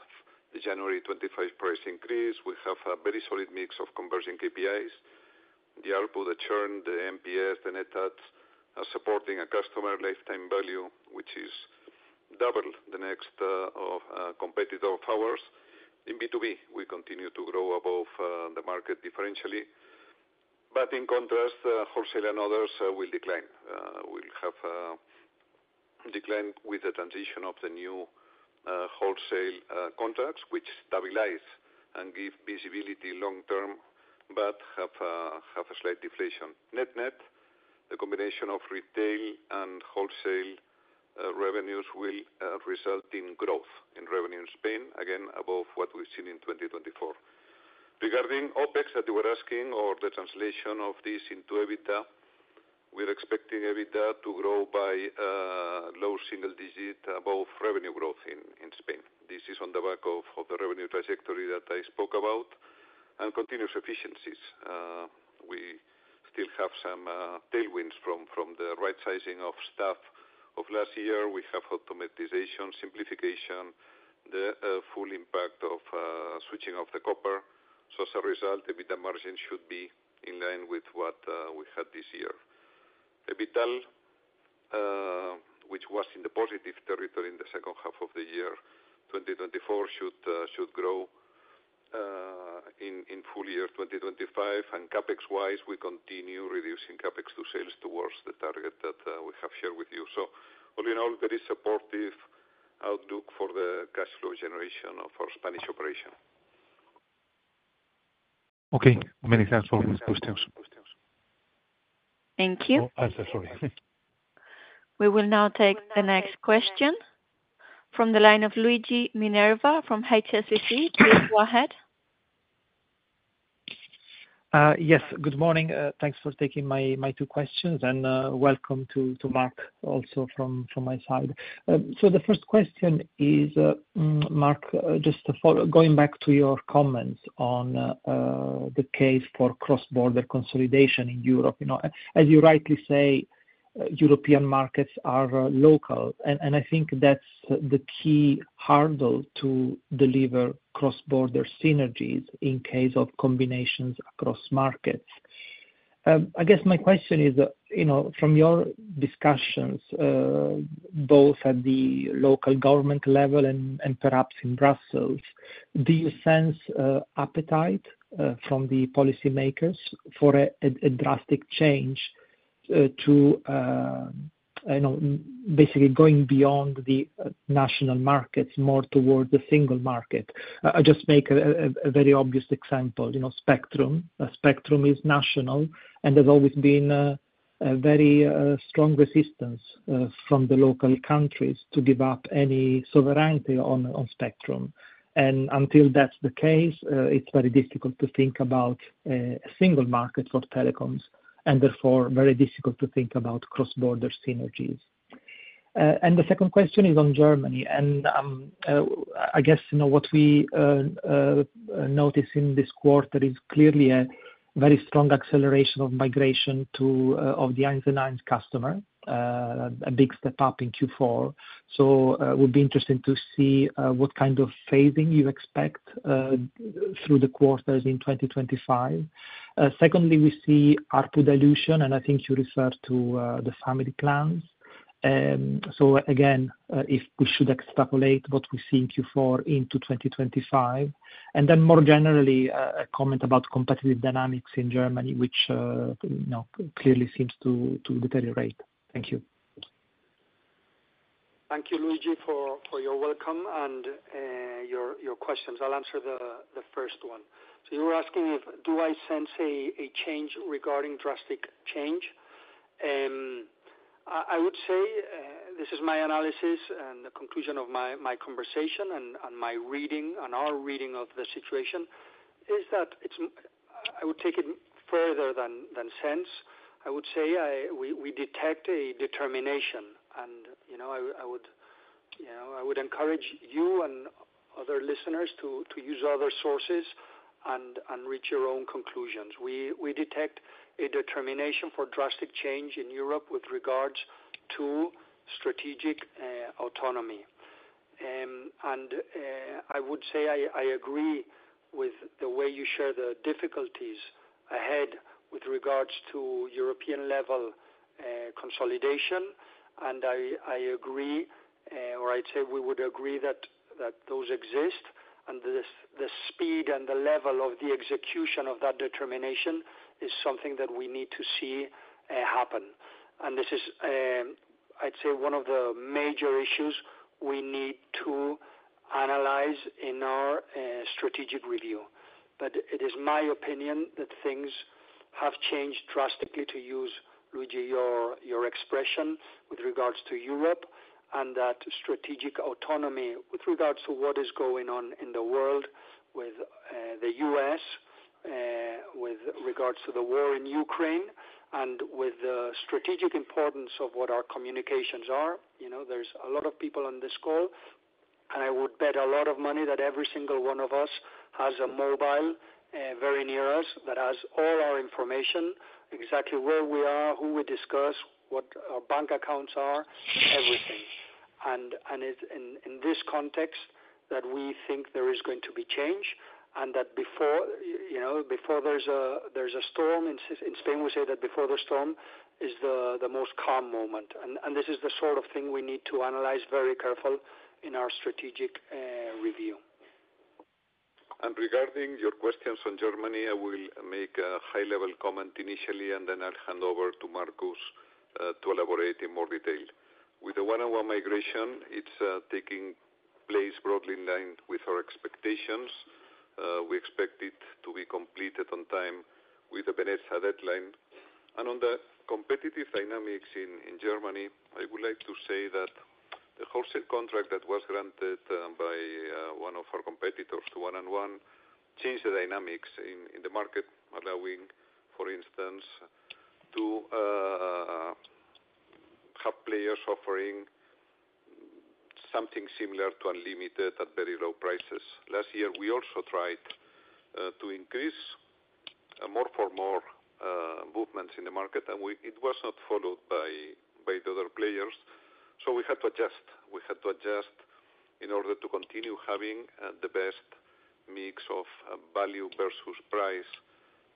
[SPEAKER 4] the January 25 price increase. We have a very solid mix of converging KPIs. The output, the churn, the NPS, the net adds are supporting a customer lifetime value, which is double the next competitor of ours. In B2B, we continue to grow above the market differentially. But in contrast, wholesale and others will decline. We'll have a decline with the transition of the new wholesale contracts, which stabilize and give visibility long-term, but have a slight deflation. Net-net, the combination of retail and wholesale revenues will result in growth in revenue in Spain, again above what we've seen in 2024. Regarding OpEx, as you were asking, or the translation of this into EBITDA, we're expecting EBITDA to grow by low single digit above revenue growth in Spain. This is on the back of the revenue trajectory that I spoke about and continuous efficiencies. We still have some tailwinds from the right-sizing of staff of last year. We have automation, simplification, the full impact of switching off the copper. So as a result, EBITDA margin should be in line with what we had this year. EBITDA, which was in the positive territory in the second half of the year 2024, should grow in full year 2025. And CapEx-wise, we continue reducing CapEx to sales towards the target that we have shared with you. So all in all, there is supportive outlook for the cash flow generation of our Spanish operation.
[SPEAKER 10] Okay. Many thanks for all these questions.
[SPEAKER 1] Thank you.
[SPEAKER 10] Oh, sorry.
[SPEAKER 1] We will now take the next question from the line of Luigi Minerva from HSBC. Please go ahead.
[SPEAKER 11] Yes. Good morning. Thanks for taking my two questions, and welcome to Marc also from my side. So the first question is, Marc, just going back to your comments on the case for cross-border consolidation in Europe. As you rightly say, European markets are local, and I think that's the key hurdle to deliver cross-border synergies in case of combinations across markets. I guess my question is, from your discussions, both at the local government level and perhaps in Brussels, do you sense appetite from the policymakers for a drastic change to basically going beyond the national markets more towards the single market? I'll just make a very obvious example. Spectrum is national, and there's always been a very strong resistance from the local countries to give up any sovereignty on spectrum. And until that's the case, it's very difficult to think about a single market for telecoms, and therefore very difficult to think about cross-border synergies. And the second question is on Germany. I guess what we notice in this quarter is clearly a very strong acceleration of migration of the 1&1 customer, a big step up in Q4. So it would be interesting to see what kind of phasing you expect through the quarters in 2025. Secondly, we see ARPU dilution, and I think you referred to the family plans. So again, if we should extrapolate what we see in Q4 into 2025. Then more generally, a comment about competitive dynamics in Germany, which clearly seems to deteriorate. Thank you.
[SPEAKER 3] Thank you, Luigi, for your welcome and your questions. I'll answer the first one. So you were asking if do I sense a change regarding drastic change. I would say this is my analysis and the conclusion of my conversation and my reading and our reading of the situation is that I would take it further than sense. I would say we detect a determination, and I would encourage you and other listeners to use other sources and reach your own conclusions. We detect a determination for drastic change in Europe with regards to strategic autonomy, and I would say I agree with the way you share the difficulties ahead with regards to European-level consolidation, and I agree, or I'd say we would agree that those exist, and the speed and the level of the execution of that determination is something that we need to see happen, and this is, I'd say, one of the major issues we need to analyze in our strategic review. But it is my opinion that things have changed drastically to use, Luigi, your expression with regards to Europe and that strategic autonomy with regards to what is going on in the world with the U.S., with regards to the war in Ukraine, and with the strategic importance of what our communications are. There's a lot of people on this call, and I would bet a lot of money that every single one of us has a mobile very near us that has all our information, exactly where we are, who we discuss, what our bank accounts are, everything. And it's in this context that we think there is going to be change and that before there's a storm in Spain, we say that before the storm is the most calm moment. And this is the sort of thing we need to analyze very carefully in our strategic review.
[SPEAKER 4] Regarding your questions on Germany, I will make a high-level comment initially, and then I'll hand over to Markus to elaborate in more detail. With the 1&1 migration, it's taking place broadly in line with our expectations. We expect it to be completed on time with the BNetzA deadline. On the competitive dynamics in Germany, I would like to say that the wholesale contract that was granted by one of our competitors to 1&1 changed the dynamics in the market, allowing, for instance, to have players offering something similar to unlimited at very low prices. Last year, we also tried to increase more for more movements in the market, and it was not followed by the other players. We had to adjust. We had to adjust in order to continue having the best mix of value versus price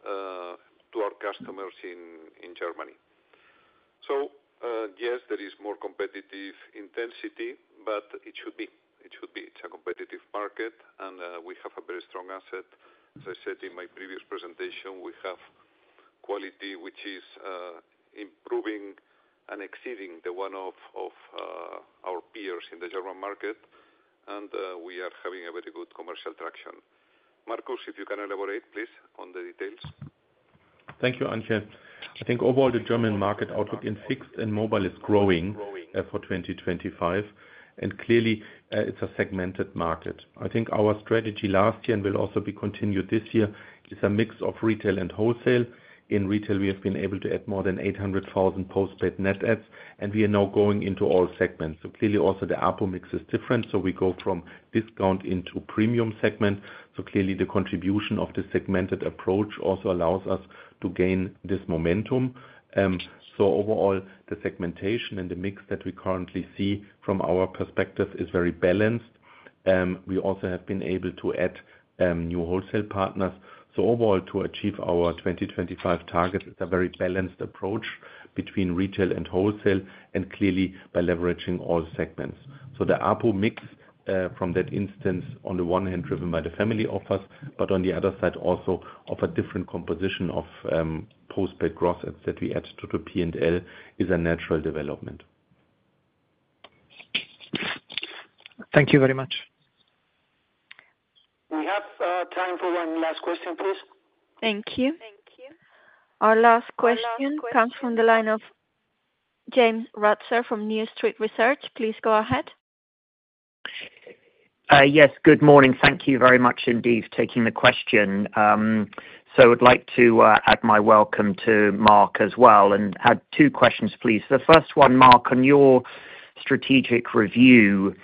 [SPEAKER 4] to our customers in Germany. So yes, there is more competitive intensity, but it should be. It should be. It's a competitive market, and we have a very strong asset. As I said in my previous presentation, we have quality, which is improving and exceeding the one of our peers in the German market, and we are having a very good commercial traction. Markus, if you can elaborate, please, on the details.
[SPEAKER 12] Thank you, Ángel. I think overall, the German market outlook in fixed and mobile is growing for 2025, and clearly, it's a segmented market. I think our strategy last year and will also be continued this year is a mix of retail and wholesale. In retail, we have been able to add more than 800,000 postpaid net adds, and we are now going into all segments. So clearly, also the ARPU mix is different. So we go from discount into premium segment. So clearly, the contribution of the segmented approach also allows us to gain this momentum. So overall, the segmentation and the mix that we currently see from our perspective is very balanced. We also have been able to add new wholesale partners. So overall, to achieve our 2025 target, it's a very balanced approach between retail and wholesale and clearly by leveraging all segments. So the ARPU mix from that instance, on the one hand, driven by the family offers, but on the other side, also of a different composition of postpaid gross adds that we add to the P&L is a natural development.
[SPEAKER 11] Thank you very much.
[SPEAKER 3] We have time for one last question, please.
[SPEAKER 1] Thank you. Thank you. Our last question comes from the line of James Ratzer from New Street Research. Please go ahead.
[SPEAKER 13] Yes. Good morning. Thank you very much indeed for taking the question. So, I would like to add my welcome to Marc as well and had two questions, please. The first one, Marc, on your strategic review,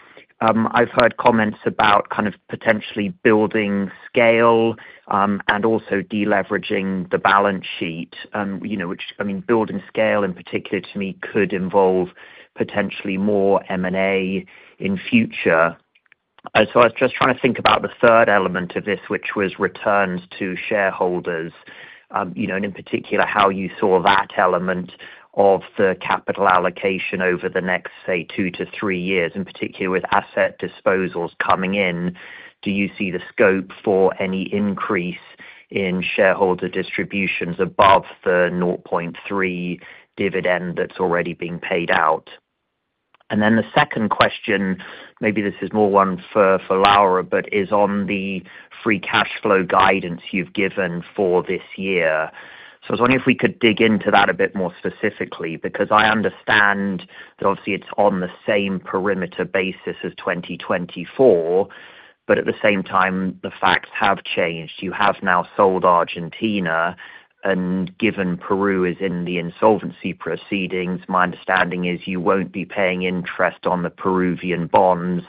[SPEAKER 13] I've heard comments about kind of potentially building scale and also deleveraging the balance sheet, which I mean, building scale in particular to me could involve potentially more M&A in future. So, I was just trying to think about the third element of this, which was returns to shareholders, and in particular, how you saw that element of the capital allocation over the next, say, two to three years, in particular with asset disposals coming in. Do you see the scope for any increase in shareholder distributions above the 0.3 dividend that's already being paid out? And then the second question, maybe this is more one for Laura, but is on the free cash flow guidance you've given for this year. So I was wondering if we could dig into that a bit more specifically because I understand that obviously it's on the same perimeter basis as 2024, but at the same time, the facts have changed. You have now sold Argentina, and given Peru is in the insolvency proceedings, my understanding is you won't be paying interest on the Peruvian bonds,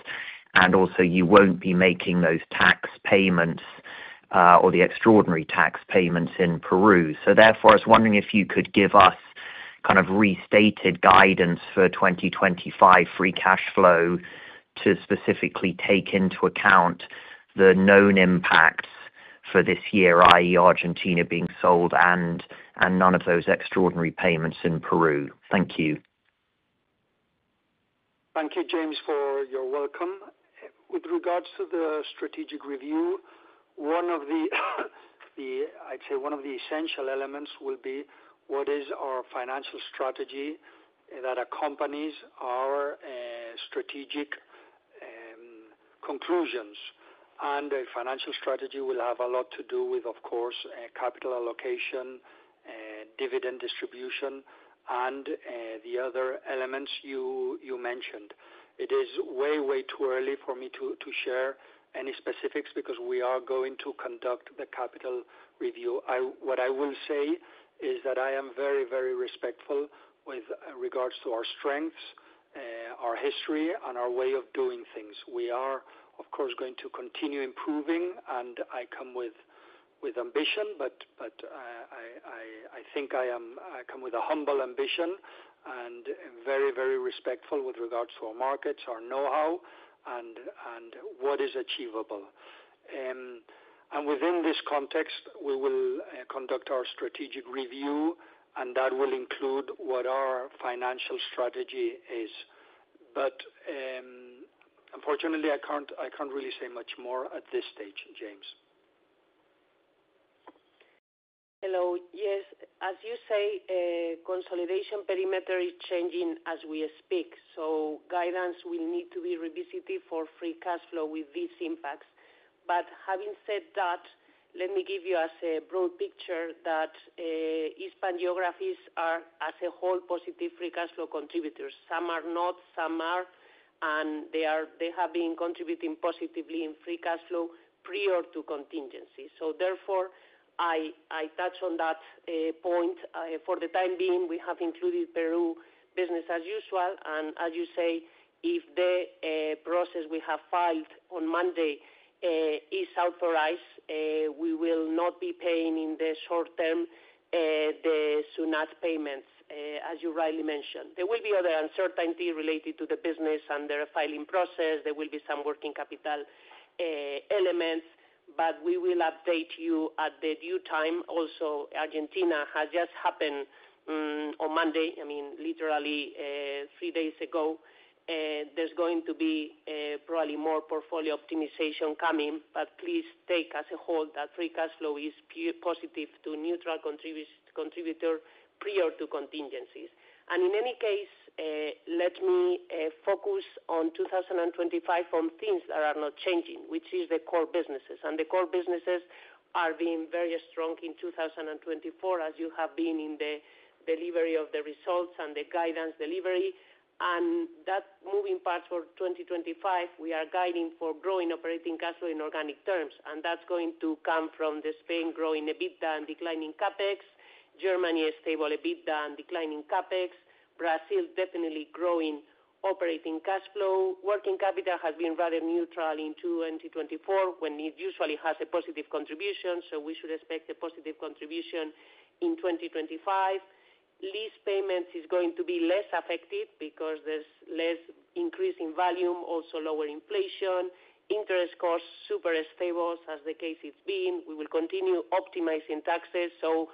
[SPEAKER 13] and also you won't be making those tax payments or the extraordinary tax payments in Peru. So therefore, I was wondering if you could give us kind of restated guidance for 2025 Free Cash Flow to specifically take into account the known impacts for this year, i.e., Argentina being sold and none of those extraordinary payments in Peru. Thank you.
[SPEAKER 3] Thank you, James, for your welcome. With regards to the strategic review, I'd say one of the essential elements will be what is our financial strategy that accompanies our strategic conclusions, and the financial strategy will have a lot to do with, of course, capital allocation, dividend distribution, and the other elements you mentioned. It is way, way too early for me to share any specifics because we are going to conduct the capital review. What I will say is that I am very, very respectful with regards to our strengths, our history, and our way of doing things. We are, of course, going to continue improving, and I come with ambition, but I think I come with a humble ambition and very, very respectful with regards to our markets, our know-how, and what is achievable, and within this context, we will conduct our strategic review, and that will include what our financial strategy is. But unfortunately, I can't really say much more at this stage, James.
[SPEAKER 5] Hello. Yes. As you say, consolidation perimeter is changing as we speak. So guidance will need to be revisited for free cash flow with these impacts. But having said that, let me give you a broad picture that Hispam geographies are, as a whole, positive free cash flow contributors. Some are not, some are, and they have been contributing positively in free cash flow prior to contingency. So therefore, I touch on that point. For the time being, we have included Peru business as usual. And as you say, if the process we have filed on Monday is authorized, we will not be paying in the short term the SUNAT payments, as you rightly mentioned. There will be other uncertainty related to the business and their filing process. There will be some working capital elements, but we will update you in due time. Also, Argentina has just happened on Monday, I mean, literally three days ago. There's going to be probably more portfolio optimization coming, but please take as a whole that free cash flow is positive to neutral contributor prior to contingencies, and in any case, let me focus on 2025 on things that are not changing, which is the core businesses, and the core businesses are being very strong in 2024, as you have seen in the delivery of the results and the guidance delivery, and the moving parts for 2025, we are guiding for growing operating cash flow in organic terms, and that's going to come from Spain growing EBITDA and declining CapEx. Germany is stable EBITDA and declining CapEx. Brazil definitely growing operating cash flow. Working capital has been rather neutral in 2024 when it usually has a positive contribution, so we should expect a positive contribution in 2025. Lease payments are going to be less affected because there's less increase in volume, also lower inflation. Interest costs are super stable, as has been the case. We will continue optimizing taxes, so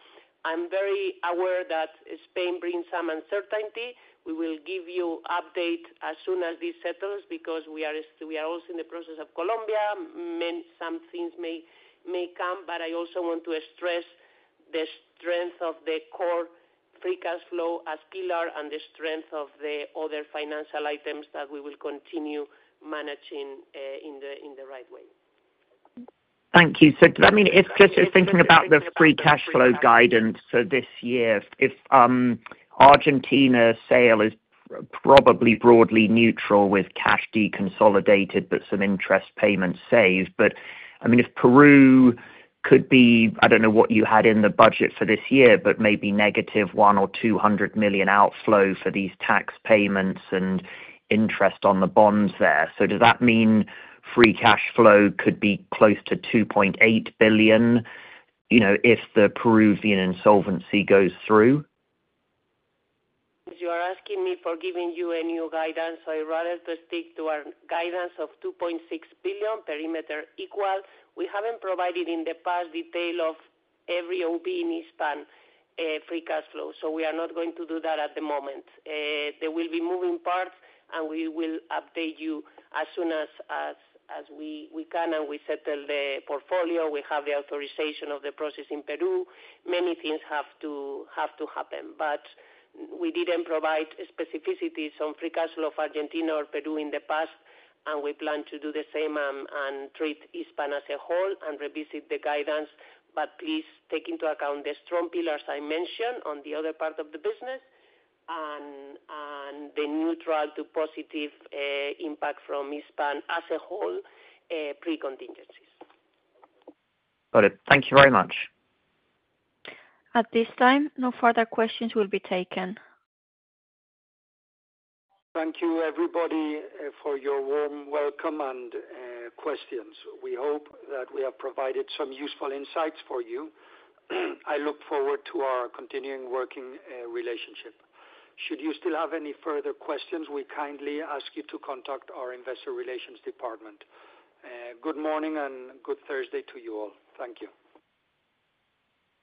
[SPEAKER 5] I'm very aware that Spain brings some uncertainty. We will give you an update as soon as this settles because we are also in the process in Colombia. Some things may come, but I also want to stress the strength of the core free cash flow as a pillar and the strength of the other financial items that we will continue managing in the right way.
[SPEAKER 13] Thank you. I mean, if just thinking about the free cash flow guidance for this year, if Argentina's sale is probably broadly neutral with cash deconsolidated, but some interest payments saved. But I mean, if Peru could be, I don't know what you had in the budget for this year, but maybe negative 100 million or 200 million outflow for these tax payments and interest on the bonds there. Does that mean free cash flow could be close to 2.8 billion if the Peruvian insolvency goes through?
[SPEAKER 5] You are asking me for giving you a new guidance. I'd rather stick to our guidance of 2.6 billion perimeter equal. We haven't provided in the past detail of every one-off in EBITDA free cash flow. We are not going to do that at the moment. There will be moving parts, and we will update you as soon as we can and we settle the portfolio. We have the authorization of the process in Peru. Many things have to happen. But we didn't provide specificities on free cash flow of Argentina or Peru in the past, and we plan to do the same and treat Hispam as a whole and revisit the guidance. But please take into account the strong pillars I mentioned on the other part of the business and the neutral to positive impact from Hispam as a whole pre-contingencies.
[SPEAKER 13] Got it. Thank you very much.
[SPEAKER 1] At this time, no further questions will be taken.
[SPEAKER 2] Thank you, everybody, for your warm welcome and questions. We hope that we have provided some useful insights for you. I look forward to our continuing working relationship.
[SPEAKER 4] Should you still have any further questions, we kindly ask you to contact our investor relations department. Good morning and good Thursday to you all. Thank you.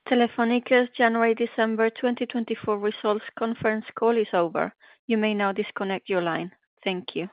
[SPEAKER 1] Telefónica's January-December 2024 results conference call is over. You may now disconnect your line. Thank you.